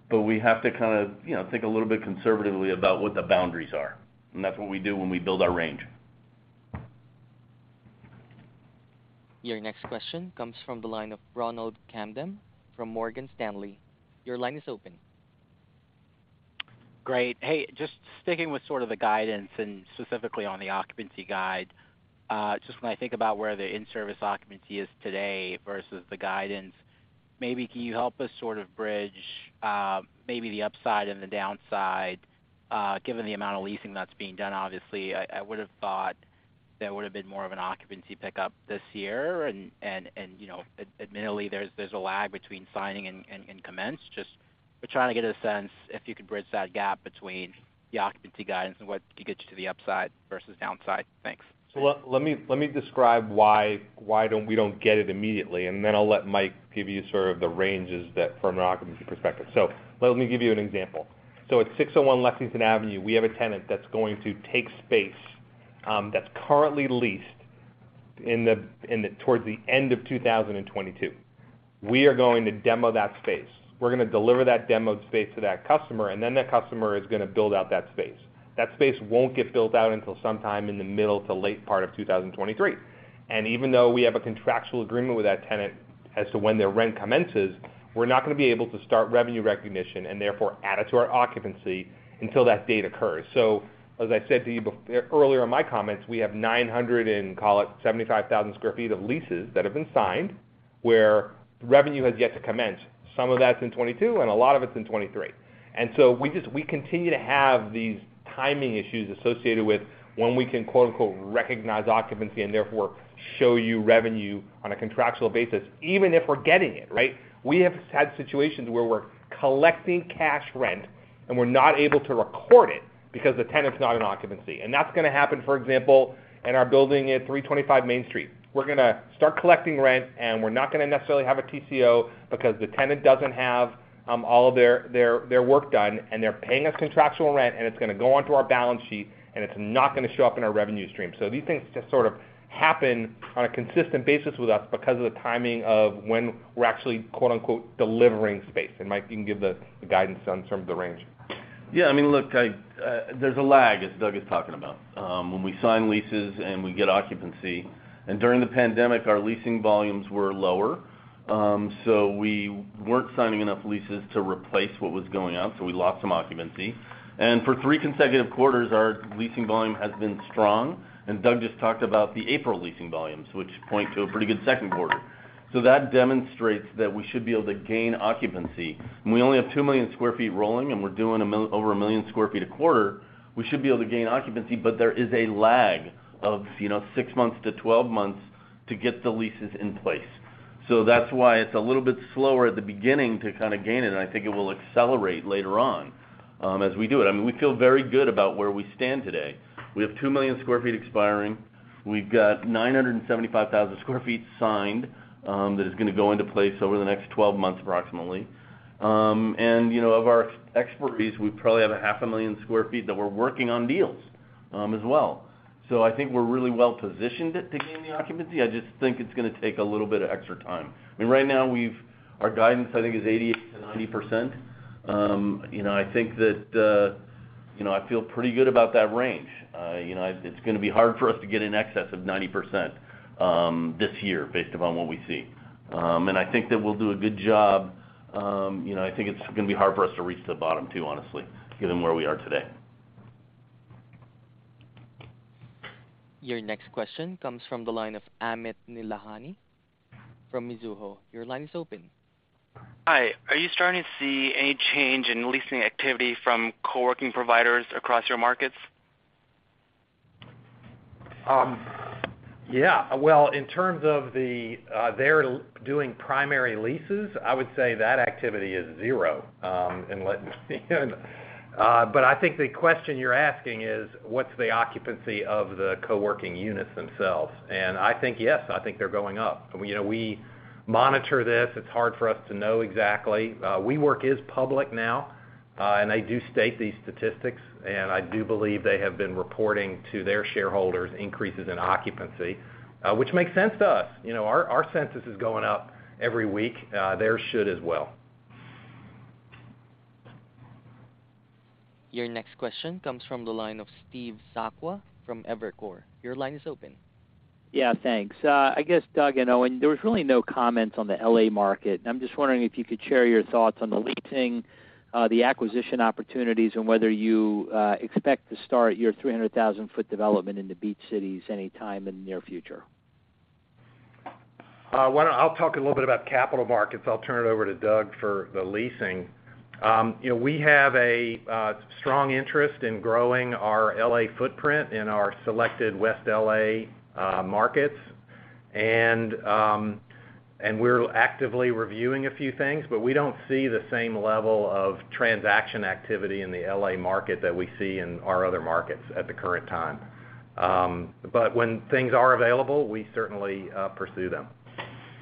but we have to kind of you know think a little bit conservatively about what the boundaries are. That's what we do when we build our range. Your next question comes from the line of Ronald Kamdem from Morgan Stanley. Your line is open. Great. Hey, just sticking with sort of the guidance and specifically on the occupancy guide, just when I think about where the in-service occupancy is today versus the guidance, maybe can you help us sort of bridge maybe the upside and the downside given the amount of leasing that's being done. Obviously, I would have thought there would have been more of an occupancy pickup this year and you know, admittedly, there's a lag between signing and commence. Just, we're trying to get a sense if you could bridge that gap between the occupancy guidance and what could get you to the upside versus downside. Thanks. Let me describe why we don't get it immediately, and then I'll let Mike give you sort of the ranges from an occupancy perspective. Let me give you an example. At 601 Lexington Avenue, we have a tenant that's going to take space that's currently leased towards the end of 2022. We are going to demo that space. We're gonna deliver that demoed space to that customer, and then that customer is gonna build out that space. That space won't get built out until sometime in the middle to late part of 2023. Even though we have a contractual agreement with that tenant as to when their rent commences, we're not gonna be able to start revenue recognition and therefore add it to our occupancy until that date occurs. As I said to you earlier in my comments, we have 975,000 sq ft of leases that have been signed, where revenue has yet to commence. Some of that's in 2022, and a lot of it's in 2023. We continue to have these timing issues associated with when we can, quote-unquote, "recognize occupancy," and therefore show you revenue on a contractual basis, even if we're getting it, right? We have had situations where we're collecting cash rent, and we're not able to record it because the tenant's not in occupancy. That's gonna happen, for example, in our building at 325 Main Street. We're gonna start collecting rent, and we're not gonna necessarily have a TCO because the tenant doesn't have all of their work done, and they're paying us contractual rent, and it's gonna go onto our balance sheet, and it's not gonna show up in our revenue stream. These things just sort of happen on a consistent basis with us because of the timing of when we're actually, quote-unquote, "delivering space." Mike can give the guidance on some of the range. Yeah, I mean, look, there's a lag, as Doug is talking about, when we sign leases and we get occupancy. During the pandemic, our leasing volumes were lower, so we weren't signing enough leases to replace what was going out, so we lost some occupancy. For three consecutive quarters, our leasing volume has been strong, and Doug just talked about the April leasing volumes, which point to a pretty good second quarter. That demonstrates that we should be able to gain occupancy. We only have 2 million sq ft rolling, and we're doing over 1 million sq ft a quarter, we should be able to gain occupancy, but there is a lag of, you know, six months to 12 months to get the leases in place. That's why it's a little bit slower at the beginning to kinda gain it, and I think it will accelerate later on, as we do it. I mean, we feel very good about where we stand today. We have 2 million sq ft expiring. We've got 975,000 sq ft signed, that is gonna go into place over the next 12 months, approximately. And, you know, of our expiries, we probably have 500,000 sq ft that we're working on deals, as well. I think we're really well positioned at taking the occupancy. I just think it's gonna take a little bit of extra time. I mean, right now our guidance, I think, is 88%-90%. You know, I think that, you know, I feel pretty good about that range. You know, it's gonna be hard for us to get in excess of 90% this year based upon what we see. I think that we'll do a good job. You know, I think it's gonna be hard for us to reach the bottom too, honestly, given where we are today. Your next question comes from the line of Amit Nihalanifrom Mizuho. Your line is open. Hi. Are you starting to see any change in leasing activity from co-working providers across your markets? Yeah. Well, in terms of the they're doing primary leases, I would say that activity is zero, and let me know. I think the question you're asking is, what's the occupancy of the co-working units themselves? I think yes, I think they're going up. You know, we monitor this. It's hard for us to know exactly. WeWork is public now, and they do state these statistics, and I do believe they have been reporting to their shareholders increases in occupancy, which makes sense to us. You know, our census is going up every week. Theirs should as well. Your next question comes from the line of Steve Sakwa from Evercore. Your line is open. Yeah, thanks. I guess, Doug and Owen, there was really no comment on the L.A. market, and I'm just wondering if you could share your thoughts on the leasing, the acquisition opportunities and whether you expect to start your 300,000 sq ft development in the Beach Cities anytime in the near future. Why don't I talk a little bit about capital markets. I'll turn it over to Doug for the leasing. You know, we have a strong interest in growing our L.A. footprint in our selected West L.A. markets. We're actively reviewing a few things, but we don't see the same level of transaction activity in the L.A. market that we see in our other markets at the current time. But when things are available, we certainly pursue them.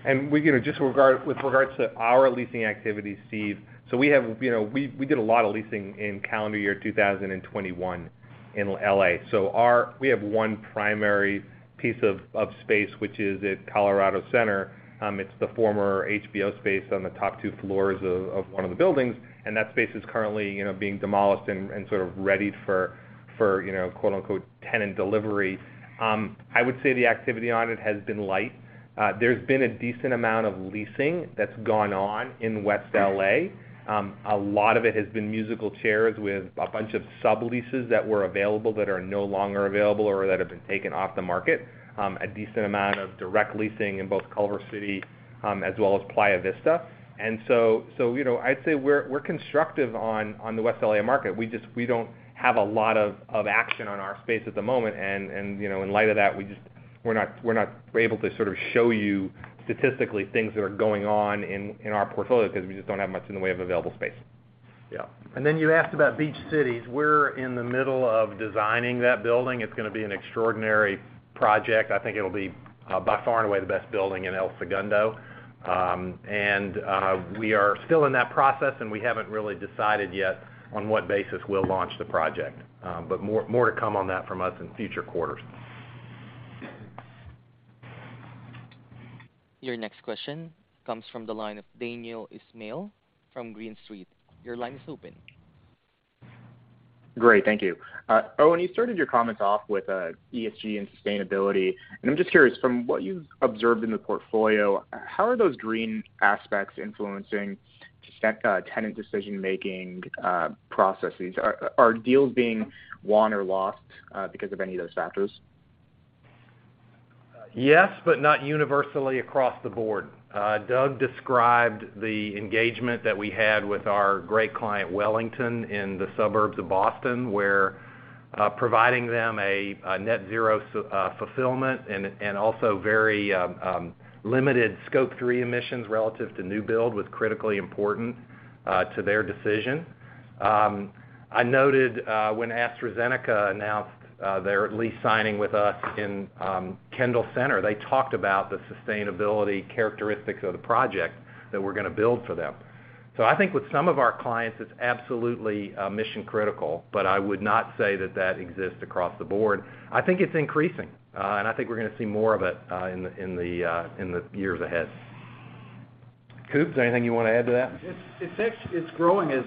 We're gonna just with regards to our leasing activity, Steve Sakwa. We have, you know, we did a lot of leasing in calendar year 2021 in L.A. We have one primary piece of space, which is at Colorado Center. It's the former HBO space on the top two floors of one of the buildings, and that space is currently, you know, being demolished and sort of readied for, you know, quote-unquote, "tenant delivery." I would say the activity on it has been light. There's been a decent amount of leasing that's gone on in West L.A. A lot of it has been musical chairs with a bunch of subleases that were available that are no longer available or that have been taken off the market. A decent amount of direct leasing in both Culver City, as well as Playa Vista. You know, I'd say we're constructive on the West L.A. market. We just don't have a lot of action on our space at the moment, and you know, in light of that, we're not able to sort of show you statistically things that are going on in our portfolio because we just don't have much in the way of available space. Yeah. You asked about Beach Cities. We're in the middle of designing that building. It's gonna be an extraordinary project. I think it'll be by far and away the best building in El Segundo. We are still in that process, and we haven't really decided yet on what basis we'll launch the project. More to come on that from us in future quarters. Your next question comes from the line of Daniel Ismail from Green Street. Your line is open. Great. Thank you. Owen, you started your comments off with ESG and sustainability, and I'm just curious, from what you've observed in the portfolio, how are those green aspects influencing tenant decision-making processes? Are deals being won or lost because of any of those factors? Yes, not universally across the board. Doug described the engagement that we had with our great client, Wellington, in the suburbs of Boston, where providing them a net zero fulfillment and also very limited Scope 3 emissions relative to new build was critically important to their decision. I noted when AstraZeneca announced their lease signing with us in Kendall Center, they talked about the sustainability characteristics of the project that we're gonna build for them. I think with some of our clients, it's absolutely mission critical, but I would not say that that exists across the board. I think it's increasing and I think we're gonna see more of it in the years ahead. Doug, anything you wanna add to that? It's actually growing, as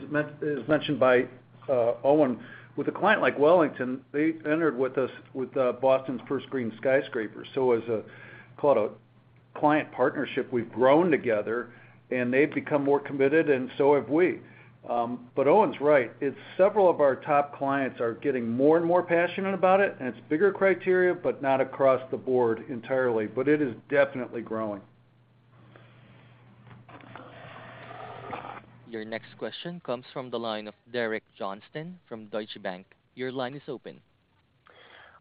mentioned by Owen. With a client like Wellington, they entered with us with Boston's first green skyscraper. Call it a client partnership, we've grown together and they've become more committed and so have we. Owen's right. It's several of our top clients are getting more and more passionate about it, and it's bigger criteria, but not across the board entirely. It is definitely growing. Your next question comes from the line of Derek Johnston from Deutsche Bank. Your line is open.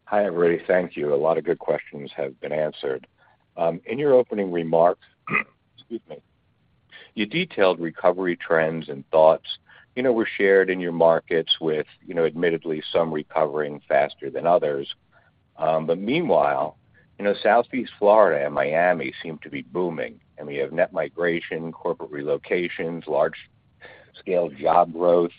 Hi, everybody. Thank you. A lot of good questions have been answered. In your opening remarks, excuse me, you detailed recovery trends and thoughts, you know, were shared in your markets with, you know, admittedly some recovering faster than others. Meanwhile, you know, Southeast Florida and Miami seem to be booming, and we have net migration, corporate relocations, large scale job growth.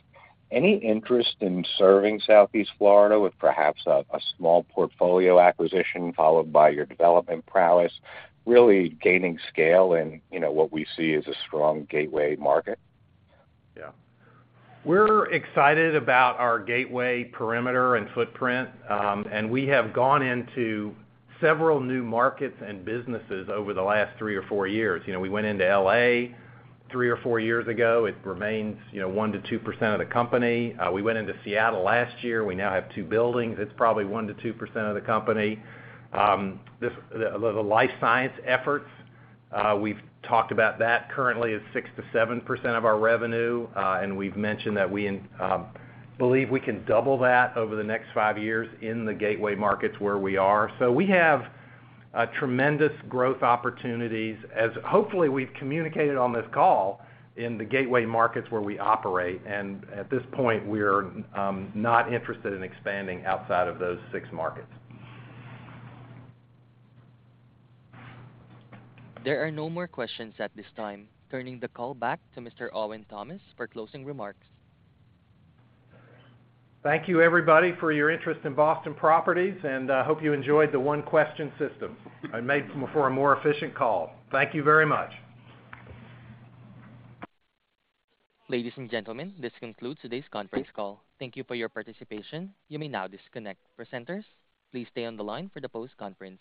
Any interest in serving Southeast Florida with perhaps a small portfolio acquisition followed by your development prowess, really gaining scale in, you know, what we see as a strong gateway market? Yeah. We're excited about our gateway perimeter and footprint, and we have gone into several new markets and businesses over the last three or four years. You know, we went into L.A. three or four years ago. It remains, you know, 1%-2% of the company. We went into Seattle last year. We now have two buildings. It's probably 1%-2% of the company. The life science efforts, we've talked about that. Currently it's 6%-7% of our revenue, and we've mentioned that we believe we can double that over the next five years in the gateway markets where we are. We have tremendous growth opportunities as, hopefully, we've communicated on this call in the gateway markets where we operate. At this point, we're not interested in expanding outside of those six markets. There are no more questions at this time. Turning the call back to Mr. Owen Thomas for closing remarks. Thank you everybody for your interest in Boston Properties, and I hope you enjoyed the one-question system. It made for a more efficient call. Thank you very much. Ladies and gentlemen, this concludes today's conference call. Thank you for your participation. You may now disconnect. Presenters, please stay on the line for the post-conference